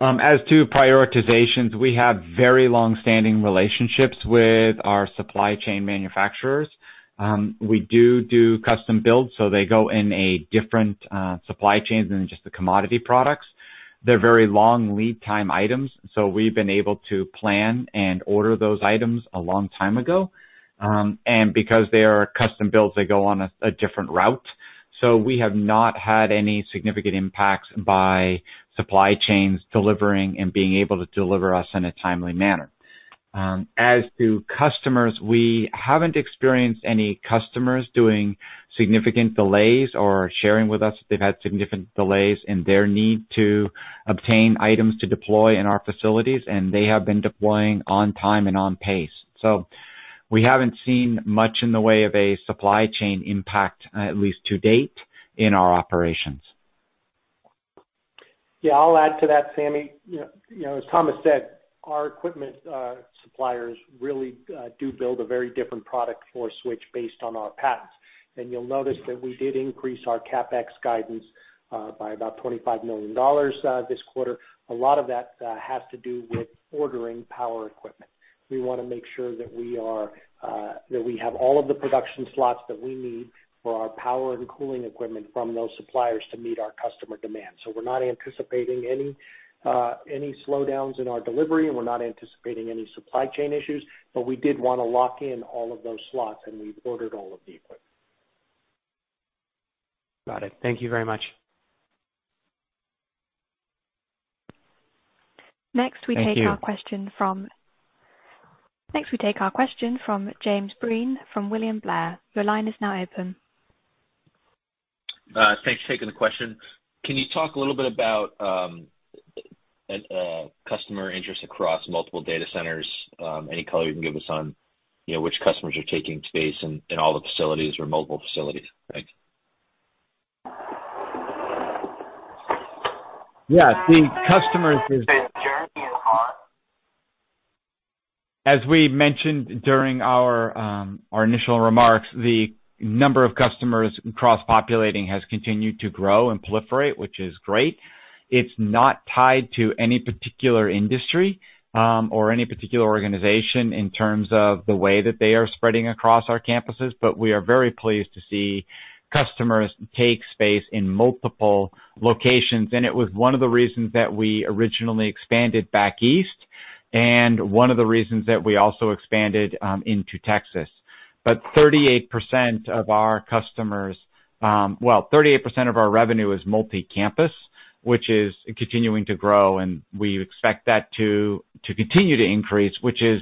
Speaker 3: As to prioritizations, we have very long-standing relationships with our supply chain manufacturers. We do custom builds, so they go in a different supply chains than just the commodity products. They're very long lead time items, so we've been able to plan and order those items a long time ago. Because they are custom builds, they go on a different route. We have not had any significant impacts by supply chains delivering and being able to deliver us in a timely manner. As to customers, we haven't experienced any customers doing significant delays or sharing with us that they've had significant delays in their need to obtain items to deploy in our facilities, and they have been deploying on time and on pace. We haven't seen much in the way of a supply chain impact, at least to date, in our operations.
Speaker 4: Yeah, I'll add to that, Sami. You know, as Thomas said, our equipment suppliers really do build a very different product for Switch based on our patents. You'll notice that we did increase our CapEx guidance by about $25 million this quarter. A lot of that has to do with ordering power equipment. We wanna make sure that we have all of the production slots that we need for our power and cooling equipment from those suppliers to meet our customer demand. We're not anticipating any slowdowns in our delivery, and we're not anticipating any supply chain issues, but we did wanna lock in all of those slots, and we've ordered all of the equipment.
Speaker 8: Got it. Thank you very much.
Speaker 3: Thank you.
Speaker 1: Next, we take our question from James Breen from William Blair. Your line is now open.
Speaker 9: Thanks for taking the question. Can you talk a little bit about a customer interest across multiple data centers? Any color you can give us on, you know, which customers are taking space in all the facilities or multiple facilities? Thanks.
Speaker 3: Yeah. The customers. As we mentioned during our initial remarks, the number of customers cross-populating has continued to grow and proliferate, which is great. It's not tied to any particular industry or any particular organization in terms of the way that they are spreading across our campuses. We are very pleased to see customers take space in multiple locations. It was one of the reasons that we originally expanded back east, and one of the reasons that we also expanded into Texas. Thirty-eight percent of our customers. Well, 38% of our revenue is multi-campus, which is continuing to grow, and we expect that to continue to increase, which is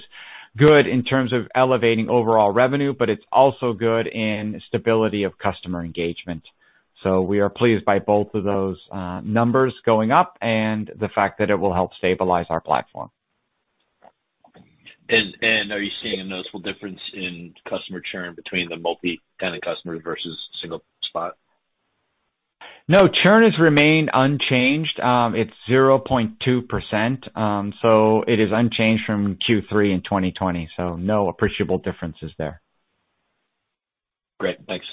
Speaker 3: good in terms of elevating overall revenue, but it's also good in stability of customer engagement. We are pleased by both of those, numbers going up and the fact that it will help stabilize our platform.
Speaker 9: Are you seeing a noticeable difference in customer churn between the multi-tenant customers versus single spot?
Speaker 3: No. Churn has remained unchanged. It's 0.2%, so it is unchanged from Q3 in 2020. No appreciable differences there.
Speaker 9: Great. Thanks.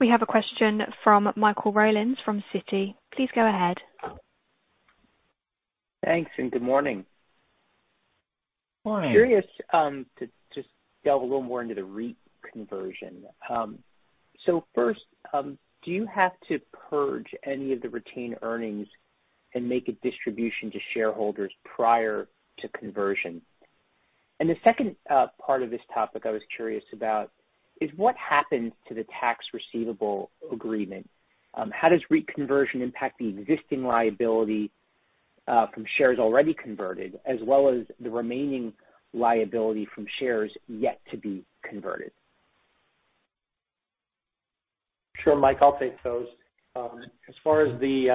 Speaker 1: We have a question from Michael Rollins from Citi. Please go ahead.
Speaker 10: Thanks, and good morning.
Speaker 4: Morning.
Speaker 10: I'm curious to just delve a little more into the REIT conversion. First, do you have to purge any of the retained earnings and make a distribution to shareholders prior to conversion? The second part of this topic I was curious about is what happens to the tax receivable agreement, how does REIT conversion impact the existing liability from shares already converted, as well as the remaining liability from shares yet to be converted?
Speaker 4: Sure, Mike. I'll take those. As far as the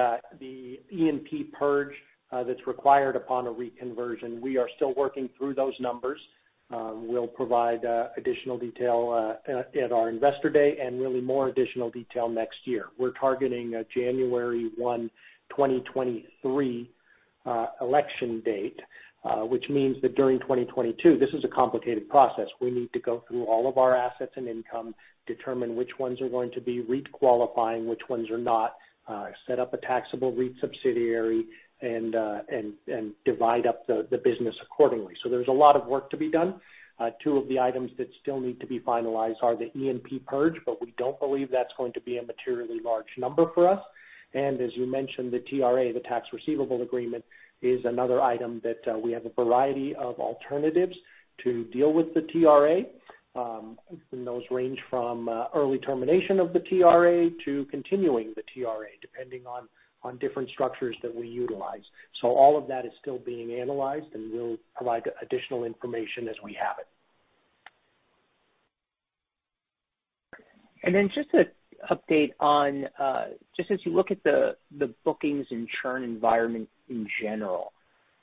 Speaker 4: E&P purge that's required upon a REIT conversion, we are still working through those numbers. We'll provide additional detail at our Investor Day and really more additional detail next year. We're targeting a January 1, 2023, election date, which means that during 2022, this is a complicated process. We need to go through all of our assets and income, determine which ones are going to be REIT qualifying, which ones are not, set up a taxable REIT subsidiary and divide up the business accordingly. There's a lot of work to be done. Two of the items that still need to be finalized are the E&P purge, but we don't believe that's going to be a materially large number for us. As you mentioned, the TRA, the tax receivable agreement, is another item that we have a variety of alternatives to deal with the TRA. Those range from early termination of the TRA to continuing the TRA, depending on different structures that we utilize. All of that is still being analyzed, and we'll provide additional information as we have it.
Speaker 10: Just to update on just as you look at the bookings and churn environment in general,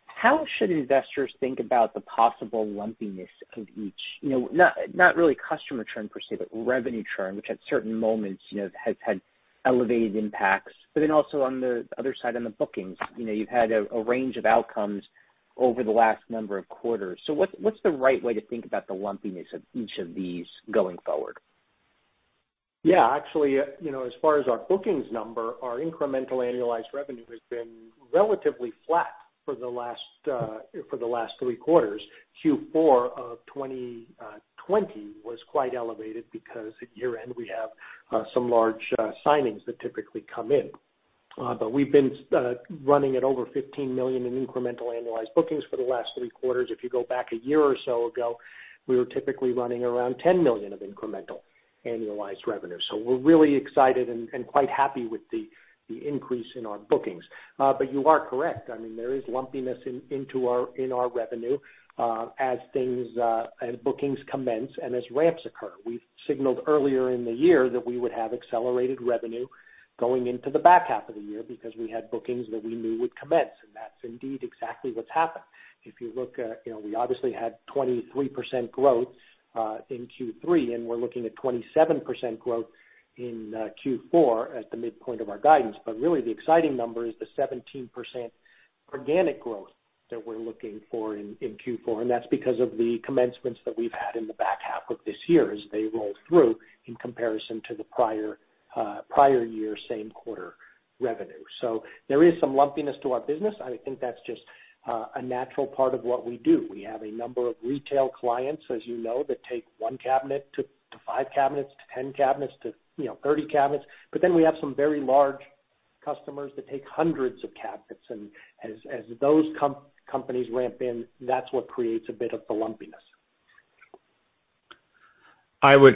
Speaker 10: how should investors think about the possible lumpiness of each? You know, not really customer churn per se, but revenue churn, which at certain moments, you know, has had elevated impacts. Also on the other side, on the bookings, you know, you've had a range of outcomes over the last number of quarters. What's the right way to think about the lumpiness of each of these going forward?
Speaker 4: Yeah. Actually, you know, as far as our bookings number, our incremental annualized revenue has been relatively flat for the last three quarters. Q4 of 2020 was quite elevated because at year-end we have some large signings that typically come in. We've been running at over $15 million in incremental annualized bookings for the last three quarters. If you go back a year or so ago, we were typically running around $10 million of incremental annualized revenue. We're really excited and quite happy with the increase in our bookings. You are correct. I mean, there is lumpiness into our revenue as things and bookings commence and as ramps occur. We've signaled earlier in the year that we would have accelerated revenue going into the back half of the year because we had bookings that we knew would commence, and that's indeed exactly what's happened. If you look at, you know, we obviously had 23% growth in Q3, and we're looking at 27% growth in Q4 at the midpoint of our guidance. But really the exciting number is the 17% organic growth that we're looking for in Q4, and that's because of the commencements that we've had in the back half of this year as they roll through in comparison to the prior prior year same quarter revenue. So there is some lumpiness to our business. I think that's just a natural part of what we do. We have a number of retail clients, as you know, that take one cabinet to five cabinets to 10 cabinets to, you know, 30 cabinets. But then we have some very large customers that take hundreds of cabinets. As those companies ramp in, that's what creates a bit of the lumpiness.
Speaker 3: I would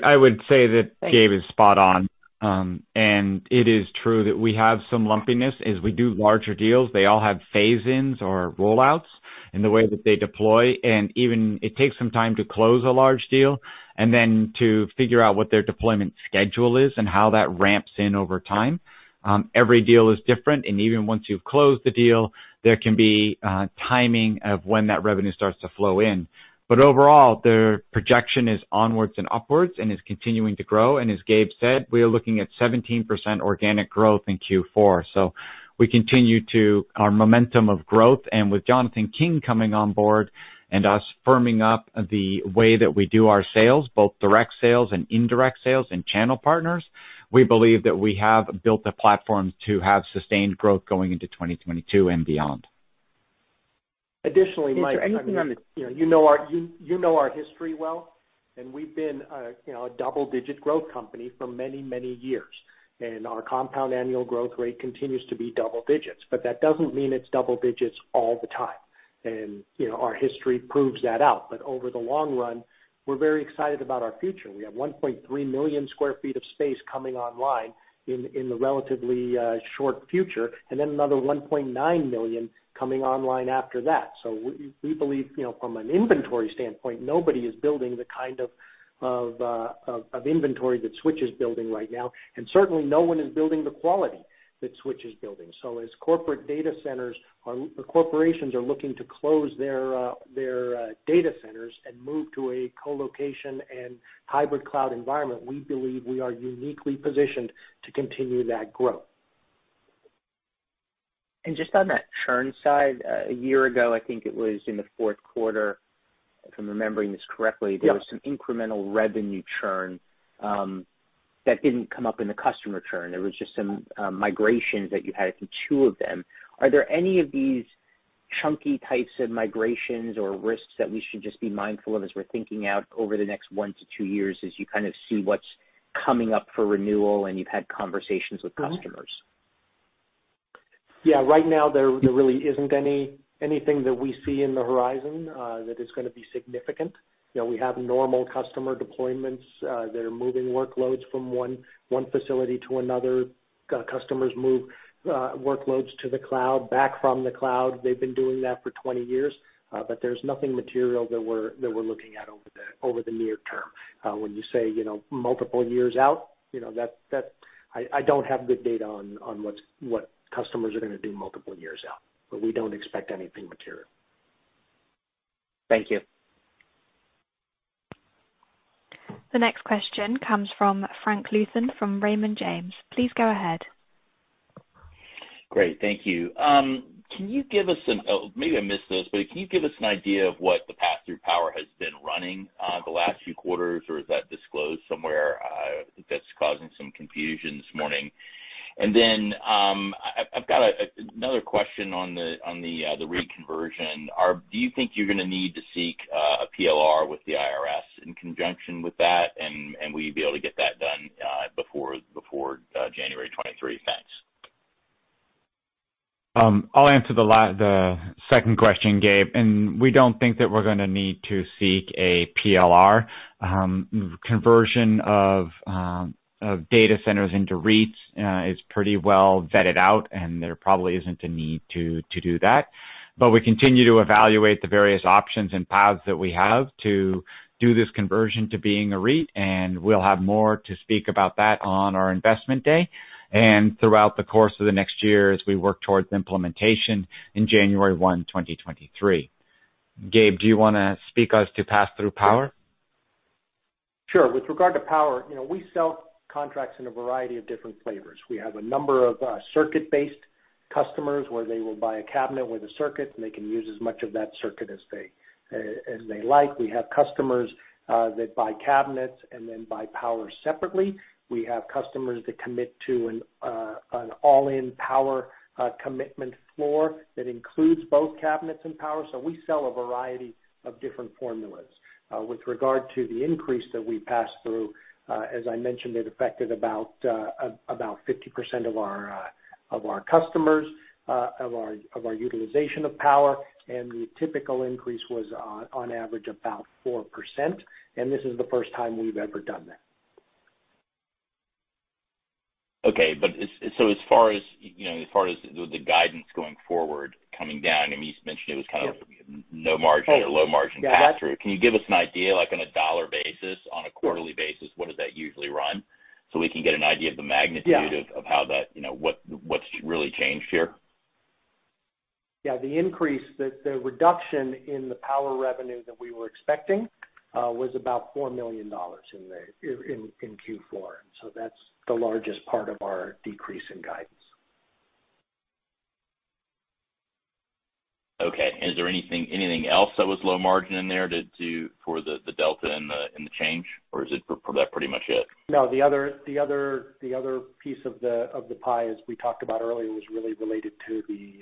Speaker 3: say that Gabe is spot on. It is true that we have some lumpiness. As we do larger deals, they all have phase-ins or rollouts in the way that they deploy. Even it takes some time to close a large deal, and then to figure out what their deployment schedule is and how that ramps in over time. Every deal is different, and even once you've closed the deal, there can be timing of when that revenue starts to flow in. Overall, their projection is onwards and upwards and is continuing to grow. As Gabe said, we are looking at 17% organic growth in Q4. We continue to our momentum of growth. With Jonathan King coming on board and us firming up the way that we do our sales, both direct sales and indirect sales and channel partners, we believe that we have built the platform to have sustained growth going into 2022 and beyond.
Speaker 4: Additionally, Mike, I mean, you know our history well, and we've been, you know, a double-digit growth company for many years, and our compound annual growth rate continues to be double digits, but that doesn't mean it's double digits all the time. You know, our history proves that out. Over the long run, we're very excited about our future. We have 1.3 million sq ft of space coming online in the relatively short future, and then another 1.9 million coming online after that. We believe, you know, from an inventory standpoint, nobody is building the kind of inventory that Switch is building right now, and certainly, no one is building the quality that Switch is building. As corporate data centers or corporations are looking to close their data centers and move to a colocation and hybrid cloud environment, we believe we are uniquely positioned to continue that growth.
Speaker 10: Just on that churn side, a year ago, I think it was in the fourth quarter, if I'm remembering this correctly. There was some incremental revenue churn that didn't come up in the customer churn. There was just some migrations that you had, I think two of them. Are there any of these chunky types of migrations or risks that we should just be mindful of as we're thinking out over the next one to two years as you kind of see what's coming up for renewal and you've had conversations with customers?
Speaker 4: Right now, there really isn't anything that we see on the horizon that is gonna be significant. You know, we have normal customer deployments that are moving workloads from one facility to another. Customers move workloads to the cloud, back from the cloud. They've been doing that for 20 years, but there's nothing material that we're looking at over the near term. When you say, you know, multiple years out, you know, that I don't have good data on what customers are gonna do multiple years out, but we don't expect anything material.
Speaker 10: Thank you.
Speaker 1: The next question comes from Frank Louthan from Raymond James. Please go ahead.
Speaker 11: Great. Thank you. Can you give us an idea of what the pass-through power has been running the last few quarters, or is that disclosed somewhere? That's causing some confusion this morning. I've got another question on the REIT conversion. Do you think you're gonna need to seek a PLR with the IRS in conjunction with that, and will you be able to get that done before January 2023? Thanks.
Speaker 3: I'll answer the second question, Gabe. We don't think that we're gonna need to seek a PLR. Conversion of data centers into REITs is pretty well vetted out, and there probably isn't a need to do that. We continue to evaluate the various options and paths that we have to do this conversion to being a REIT, and we'll have more to speak about that on our investment day and throughout the course of the next year as we work towards implementation in January 1, 2023. Gabe, do you wanna speak as to pass-through power?
Speaker 4: Sure. With regard to power, you know, we sell contracts in a variety of different flavors. We have a number of circuit-based customers, where they will buy a cabinet with a circuit, and they can use as much of that circuit as they like. We have customers that buy cabinets and then buy power separately. We have customers that commit to an all-in power commitment floor that includes both cabinets and power. So we sell a variety of different formulas. With regard to the increase that we pass through, as I mentioned, it affected about 50% of our customers, of our utilization of power, and the typical increase was, on average, about 4%. This is the first time we've ever done that.
Speaker 11: As far as, you know, the guidance going forward coming down, I mean, you just mentioned it was kind of no margin or low margin pass through. Can you give us an idea, like on a dollar basis, on a quarterly basis, what does that usually run? We can get an idea of the magnitude of how that, you know, what's really changed here.
Speaker 4: Yeah. The reduction in the power revenue that we were expecting was about $4 million in Q4. That's the largest part of our decrease in guidance.
Speaker 11: Okay. Is there anything else that was low margin in there to do for the delta and the change, or is that pretty much it?
Speaker 4: No. The other piece of the pie, as we talked about earlier, was really related to the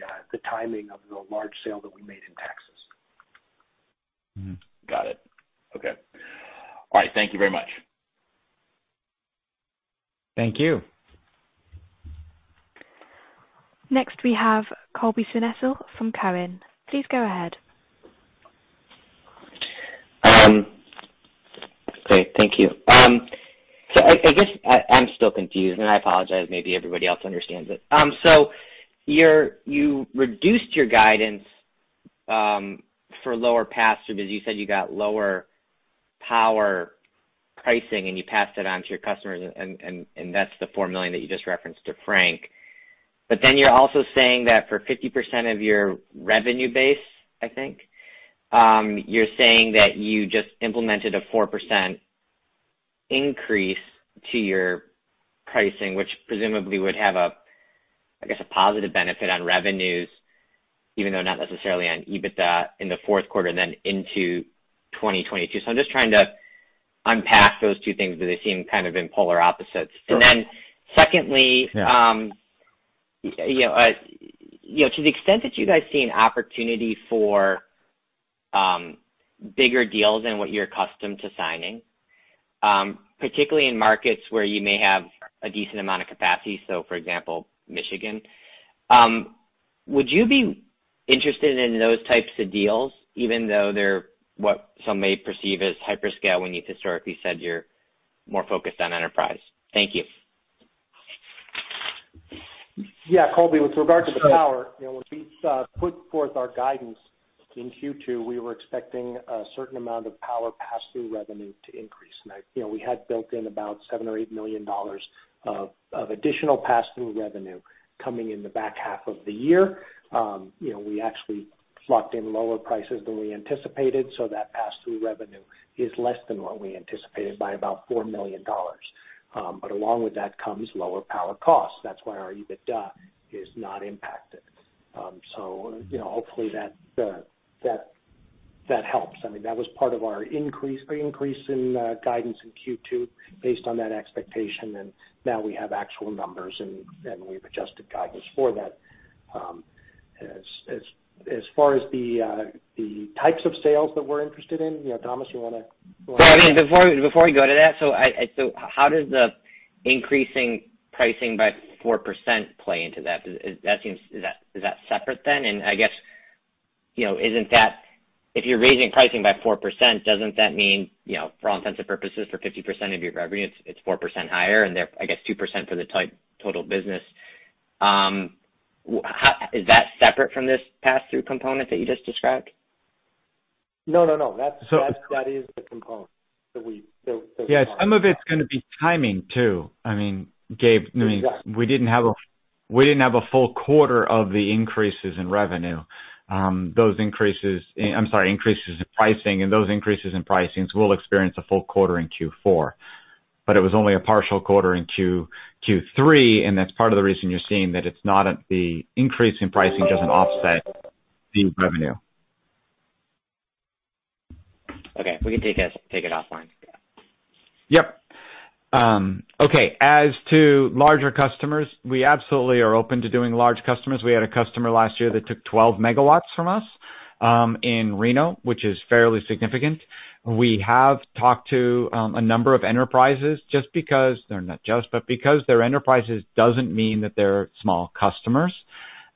Speaker 4: timing of the large sale that we made in Texas.
Speaker 11: Got it. Okay. All right. Thank you very much.
Speaker 4: Thank you.
Speaker 1: Next, we have Colby Synesael from Cowen. Please go ahead.
Speaker 12: Great. Thank you. I guess I'm still confused, and I apologize. Maybe everybody else understands it. You reduced your guidance for lower pass through because you said you got lower power pricing, and you passed it on to your customers and that's the $4 million that you just referenced to Frank. But then you're also saying that for 50% of your revenue base, I think, you're saying that you just implemented a 4% increase to your pricing, which presumably would have a, I guess, a positive benefit on revenues, even though not necessarily on EBITDA in the fourth quarter then into 2022. I'm just trying to unpack those two things, but they seem kind of in polar opposites. Secondly, you know, to the extent that you guys see an opportunity for bigger deals than what you're accustomed to signing, particularly in markets where you may have a decent amount of capacity, so for example, Michigan, would you be interested in those types of deals even though they're what some may perceive as hyperscale, when you've historically said you're more focused on enterprise? Thank you.
Speaker 4: Yeah. Colby, with regard to the power, you know, when we put forth our guidance in Q2, we were expecting a certain amount of power pass-through revenue to increase. You know, we had built in about $7 million or $8 million of additional pass-through revenue coming in the back half of the year. You know, we actually locked in lower prices than we anticipated, so that pass-through revenue is less than what we anticipated by about $4 million. Along with that comes lower power costs. That's why our EBITDA is not impacted. You know, hopefully that helps. I mean, that was part of our increase in guidance in Q2 based on that expectation, and now we have actual numbers and we've adjusted guidance for that. As far as the types of sales that we're interested in, you know, Thomas, you wanna?
Speaker 12: Well, I mean, before we go to that. So how does the increasing pricing by 4% play into that? Is that separate then? I guess, you know, isn't that if you're raising pricing by 4%, doesn't that mean, you know, for all intents and purposes, for 50% of your revenue it's 4% higher and therefore, I guess 2% for the total business. How is that separate from this pass-through component that you just described?
Speaker 4: No. That's the component that we built.
Speaker 3: Yeah. Some of it's gonna be timing too. I mean, Gabe. We didn't have a full quarter of the increases in revenue. Those increases in pricing, and those increases in pricing will experience a full quarter in Q4. It was only a partial quarter in Q3, and that's part of the reason you're seeing that it's not that the increase in pricing doesn't offset the revenue.
Speaker 12: Okay. We can take it offline.
Speaker 3: As to larger customers, we absolutely are open to doing large customers. We had a customer last year that took 12 MW from us in Reno, which is fairly significant. We have talked to a number of enterprises, not just, but because they're enterprises doesn't mean that they're small customers.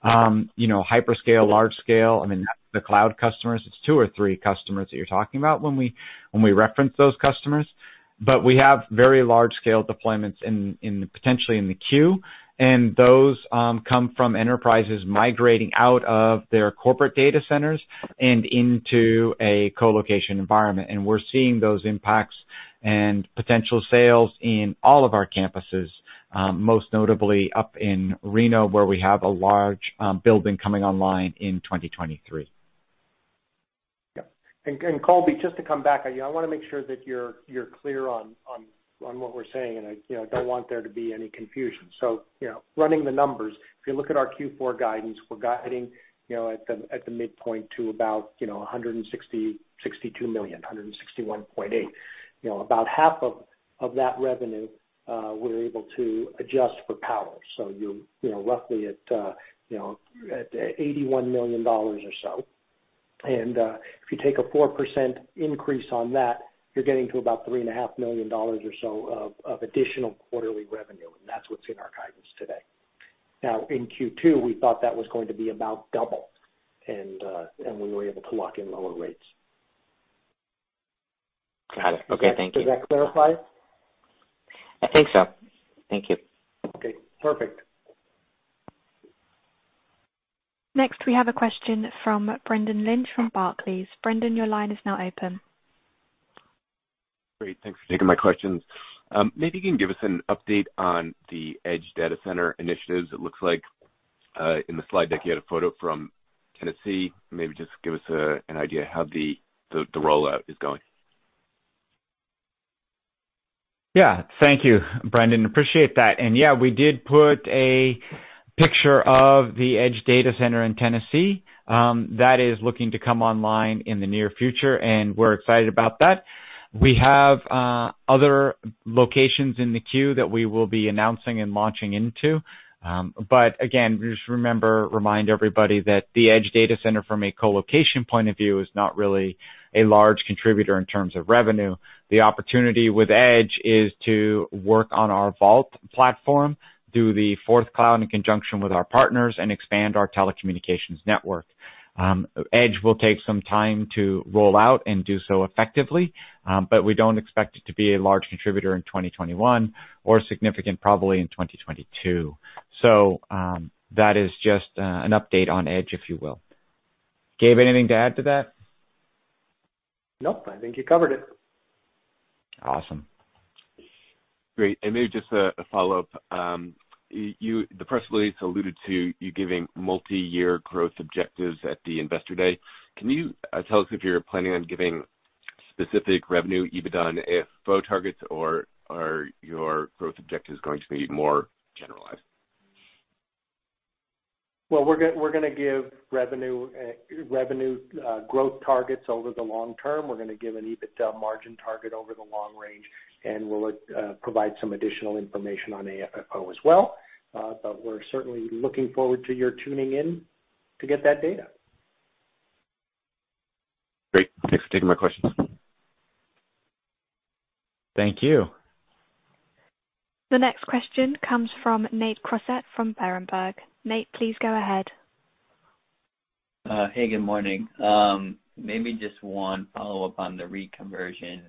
Speaker 3: You know, hyperscale, large scale, I mean, the cloud customers, it's two or three customers that you're talking about when we reference those customers. We have very large scale deployments potentially in the queue, and those come from enterprises migrating out of their corporate data centers and into a colocation environment. We're seeing those impacts and potential sales in all of our campuses, most notably up in Reno, where we have a large building coming online in 2023.
Speaker 4: Yeah. Colby, just to come back at you. I wanna make sure that you're clear on what we're saying, and I you know don't want there to be any confusion. You know, running the numbers, if you look at our Q4 guidance, we're guiding at the midpoint to about $160 million-$162 million, $161.8 million. You know, about half of that revenue we're able to adjust for power. You know, roughly at $81 million or so. If you take a 4% increase on that, you're getting to about $3.5 million or so of additional quarterly revenue, and that's what's in our guidance today. Now, in Q2, we thought that was going to be about double and we were able to lock in lower rates.
Speaker 12: Got it. Okay, thank you.
Speaker 4: Does that clarify?
Speaker 12: I think so. Thank you.
Speaker 4: Okay, perfect.
Speaker 1: Next, we have a question from Brendan Lynch from Barclays. Brendan, your line is now open.
Speaker 13: Great. Thanks for taking my questions. Maybe you can give us an update on the EDGE Data Center initiatives. It looks like, in the slide deck, you had a photo from Tennessee. Maybe just give us an idea how the rollout is going.
Speaker 3: Yeah. Thank you, Brendan. Appreciate that. Yeah, we did put a picture of the EDGE Data Center in Tennessee. That is looking to come online in the near future, and we're excited about that. We have other locations in the queue that we will be announcing and launching into. Again, just remember, remind everybody that the EDGE Data Center from a colocation point of view is not really a large contributor in terms of revenue. The opportunity with EDGE is to work on our VAULT platform, do the Fourth Cloud in conjunction with our partners, and expand our telecommunications network. EDGE will take some time to roll out and do so effectively, but we don't expect it to be a large contributor in 2021 or significant probably in 2022. That is just an update on EDGE, if you will. Gabe, anything to add to that?
Speaker 4: Nope. I think you covered it.
Speaker 3: Awesome.
Speaker 13: Great. Maybe just a follow-up. The press release alluded to you giving multi-year growth objectives at the Investor Day. Can you tell us if you're planning on giving specific revenue EBITDA and AFFO targets, or are your growth objectives going to be more generalized?
Speaker 4: Well, we're gonna give revenue growth targets over the long term. We're gonna give an EBITDA margin target over the long range, and we'll provide some additional information on AFFO as well. We're certainly looking forward to your tuning in to get that data.
Speaker 13: Great. Thanks for taking my questions.
Speaker 3: Thank you.
Speaker 1: The next question comes from Nate Crossett from Berenberg. Nate, please go ahead.
Speaker 14: Hey, good morning. Maybe just one follow-up on the REIT conversion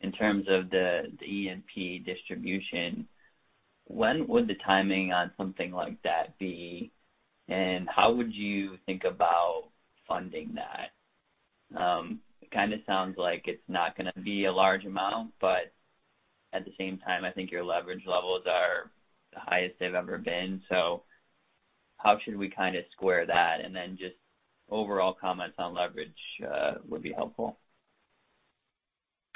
Speaker 14: in terms of the E&P distribution. When would the timing on something like that be, and how would you think about funding that? It kinda sounds like it's not gonna be a large amount, but at the same time, I think your leverage levels are the highest they've ever been. How should we kinda square that? Just overall comments on leverage would be helpful.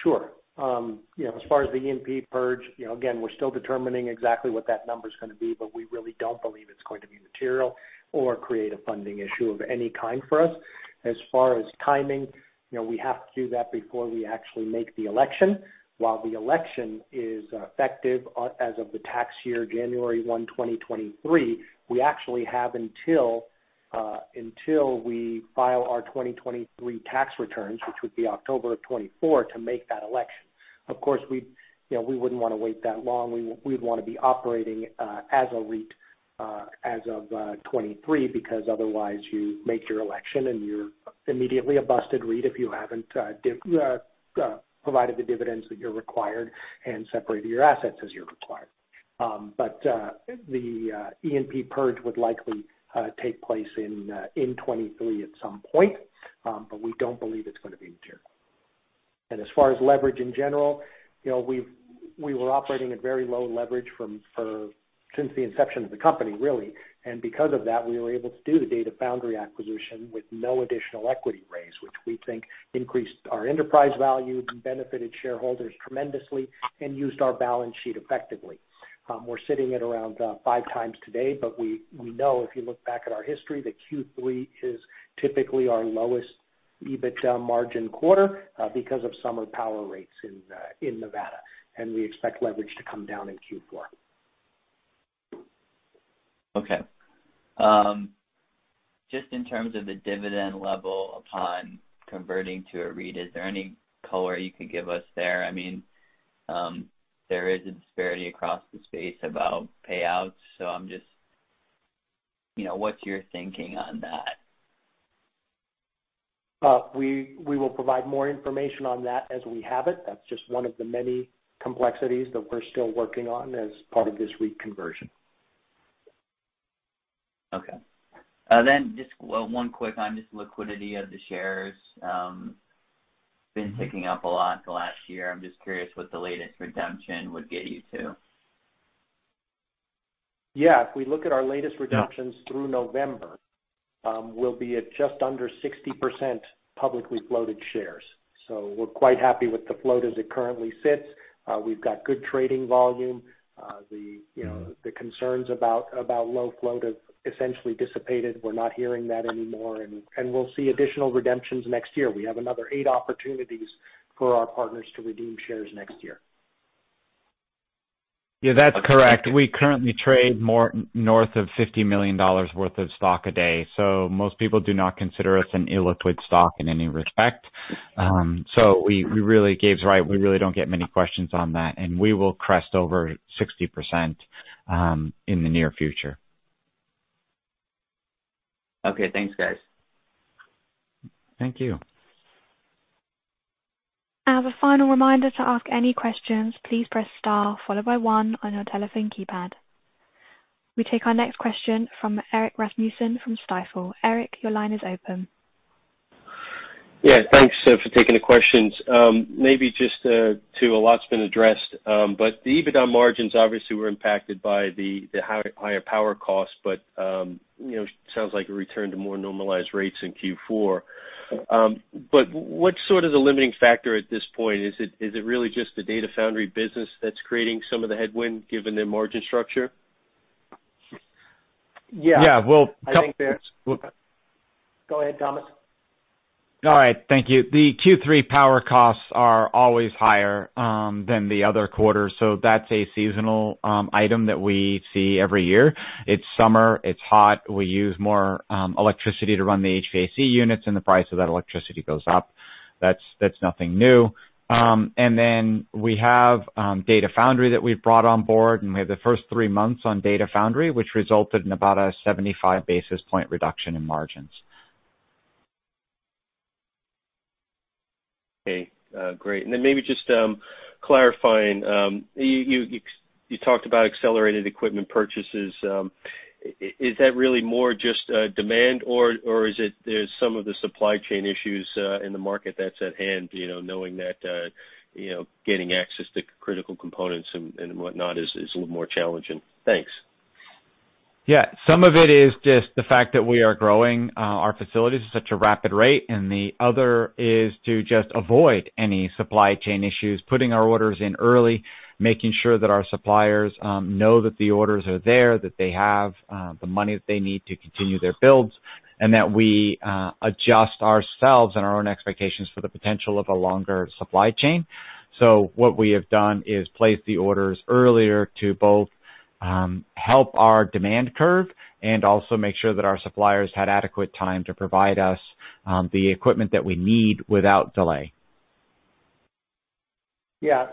Speaker 4: Sure. You know, as far as the E&P purge, you know, again, we're still determining exactly what that number's gonna be, but we really don't believe it's going to be material or create a funding issue of any kind for us. As far as timing, you know, we have to do that before we actually make the election. While the election is effective as of the tax year, January 1, 2023, we actually have until we file our 2023 tax returns, which would be October of 2024, to make that election. Of course we'd, you know, we wouldn't wanna wait that long. We'd wanna be operating as a REIT as of 2023, because otherwise you make your election and you're immediately a busted REIT if you haven't provided the dividends that you're required and separated your assets as you're required. But the E&P purge would likely take place in 2023 at some point, but we don't believe it's gonna be material. As far as leverage in general, you know, we were operating at very low leverage from since the inception of the company, really. Because of that, we were able to do the Data Foundry acquisition with no additional equity raise, which we think increased our enterprise value, benefited shareholders tremendously, and used our balance sheet effectively. We're sitting at around 5x today, but we know if you look back at our history that Q3 is typically our lowest EBITDA margin quarter because of summer power rates in Nevada. We expect leverage to come down in Q4.
Speaker 14: Okay. Just in terms of the dividend level upon converting to a REIT, is there any color you could give us there? I mean, there is a disparity across the space about payouts, so I'm just you know, what's your thinking on that?
Speaker 4: We will provide more information on that as we have it. That's just one of the many complexities that we're still working on as part of this REIT conversion.
Speaker 14: Okay. Just, well, one quick on just liquidity of the shares. It's been picking up a lot the last year. I'm just curious what the latest redemption would get you to.
Speaker 4: Yeah, if we look at our latest redemptions through November, we'll be at just under 60% publicly floated shares. We're quite happy with the float as it currently sits. We've got good trading volume. You know, the concerns about low float have essentially dissipated. We're not hearing that anymore. We'll see additional redemptions next year. We have another eight opportunities for our partners to redeem shares next year.
Speaker 3: Yeah, that's correct. We currently trade more north of $50 million worth of stock a day, so most people do not consider us an illiquid stock in any respect. Gabe's right. We really don't get many questions on that, and we will crest over 60% in the near future.
Speaker 14: Okay. Thanks, guys.
Speaker 3: Thank you.
Speaker 1: As a final reminder to ask any questions, please press star followed by one on your telephone keypad. We take our next question from Erik Rasmussen from Stifel. Eric, your line is open.
Speaker 15: Yeah, thanks for taking the questions. Maybe just too, a lot's been addressed, but the EBITDA margins obviously were impacted by the higher power costs, but you know, sounds like a return to more normalized rates in Q4. What's sort of the limiting factor at this point? Is it really just the Data Foundry business that's creating some of the headwind, given their margin structure?
Speaker 4: Yeah. Go ahead, Thomas.
Speaker 3: All right. Thank you. The Q3 power costs are always higher than the other quarters, so that's a seasonal item that we see every year. It's summer, it's hot. We use more electricity to run the HVAC units, and the price of that electricity goes up. That's nothing new. And then we have Data Foundry that we've brought on board, and we have the first three months on Data Foundry, which resulted in about a 75 basis point reduction in margins.
Speaker 15: Okay. Great. Maybe just clarifying you talked about accelerated equipment purchases. Is that really more just demand or is it there's some of the supply chain issues in the market that's at hand, you know, knowing that you know getting access to critical components and whatnot is a little more challenging? Thanks.
Speaker 3: Yeah. Some of it is just the fact that we are growing our facilities at such a rapid rate, and the other is to just avoid any supply chain issues, putting our orders in early, making sure that our suppliers know that the orders are there, that they have the money that they need to continue their builds, and that we adjust ourselves and our own expectations for the potential of a longer supply chain. What we have done is place the orders earlier to both help our demand curve and also make sure that our suppliers had adequate time to provide us the equipment that we need without delay.
Speaker 4: Yeah.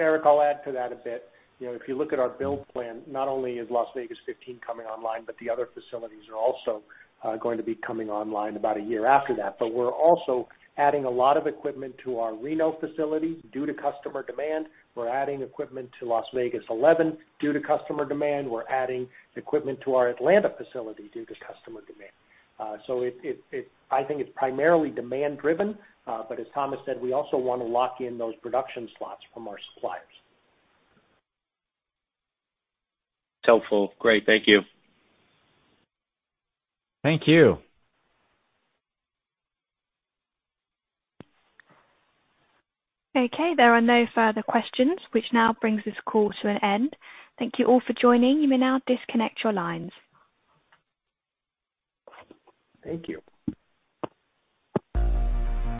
Speaker 4: Eric, I'll add to that a bit. You know, if you look at our build plan, not only is Las Vegas 15 coming online, but the other facilities are also going to be coming online about a year after that. We're also adding a lot of equipment to our Reno facility due to customer demand. We're adding equipment to Las Vegas 11 due to customer demand. We're adding equipment to our Atlanta facility due to customer demand. I think it's primarily demand driven, but as Thomas said, we also wanna lock in those production slots from our suppliers.
Speaker 15: It's helpful. Great. Thank you.
Speaker 3: Thank you.
Speaker 1: Okay. There are no further questions, which now brings this call to an end. Thank you all for joining. You may now disconnect your lines.
Speaker 4: Thank you.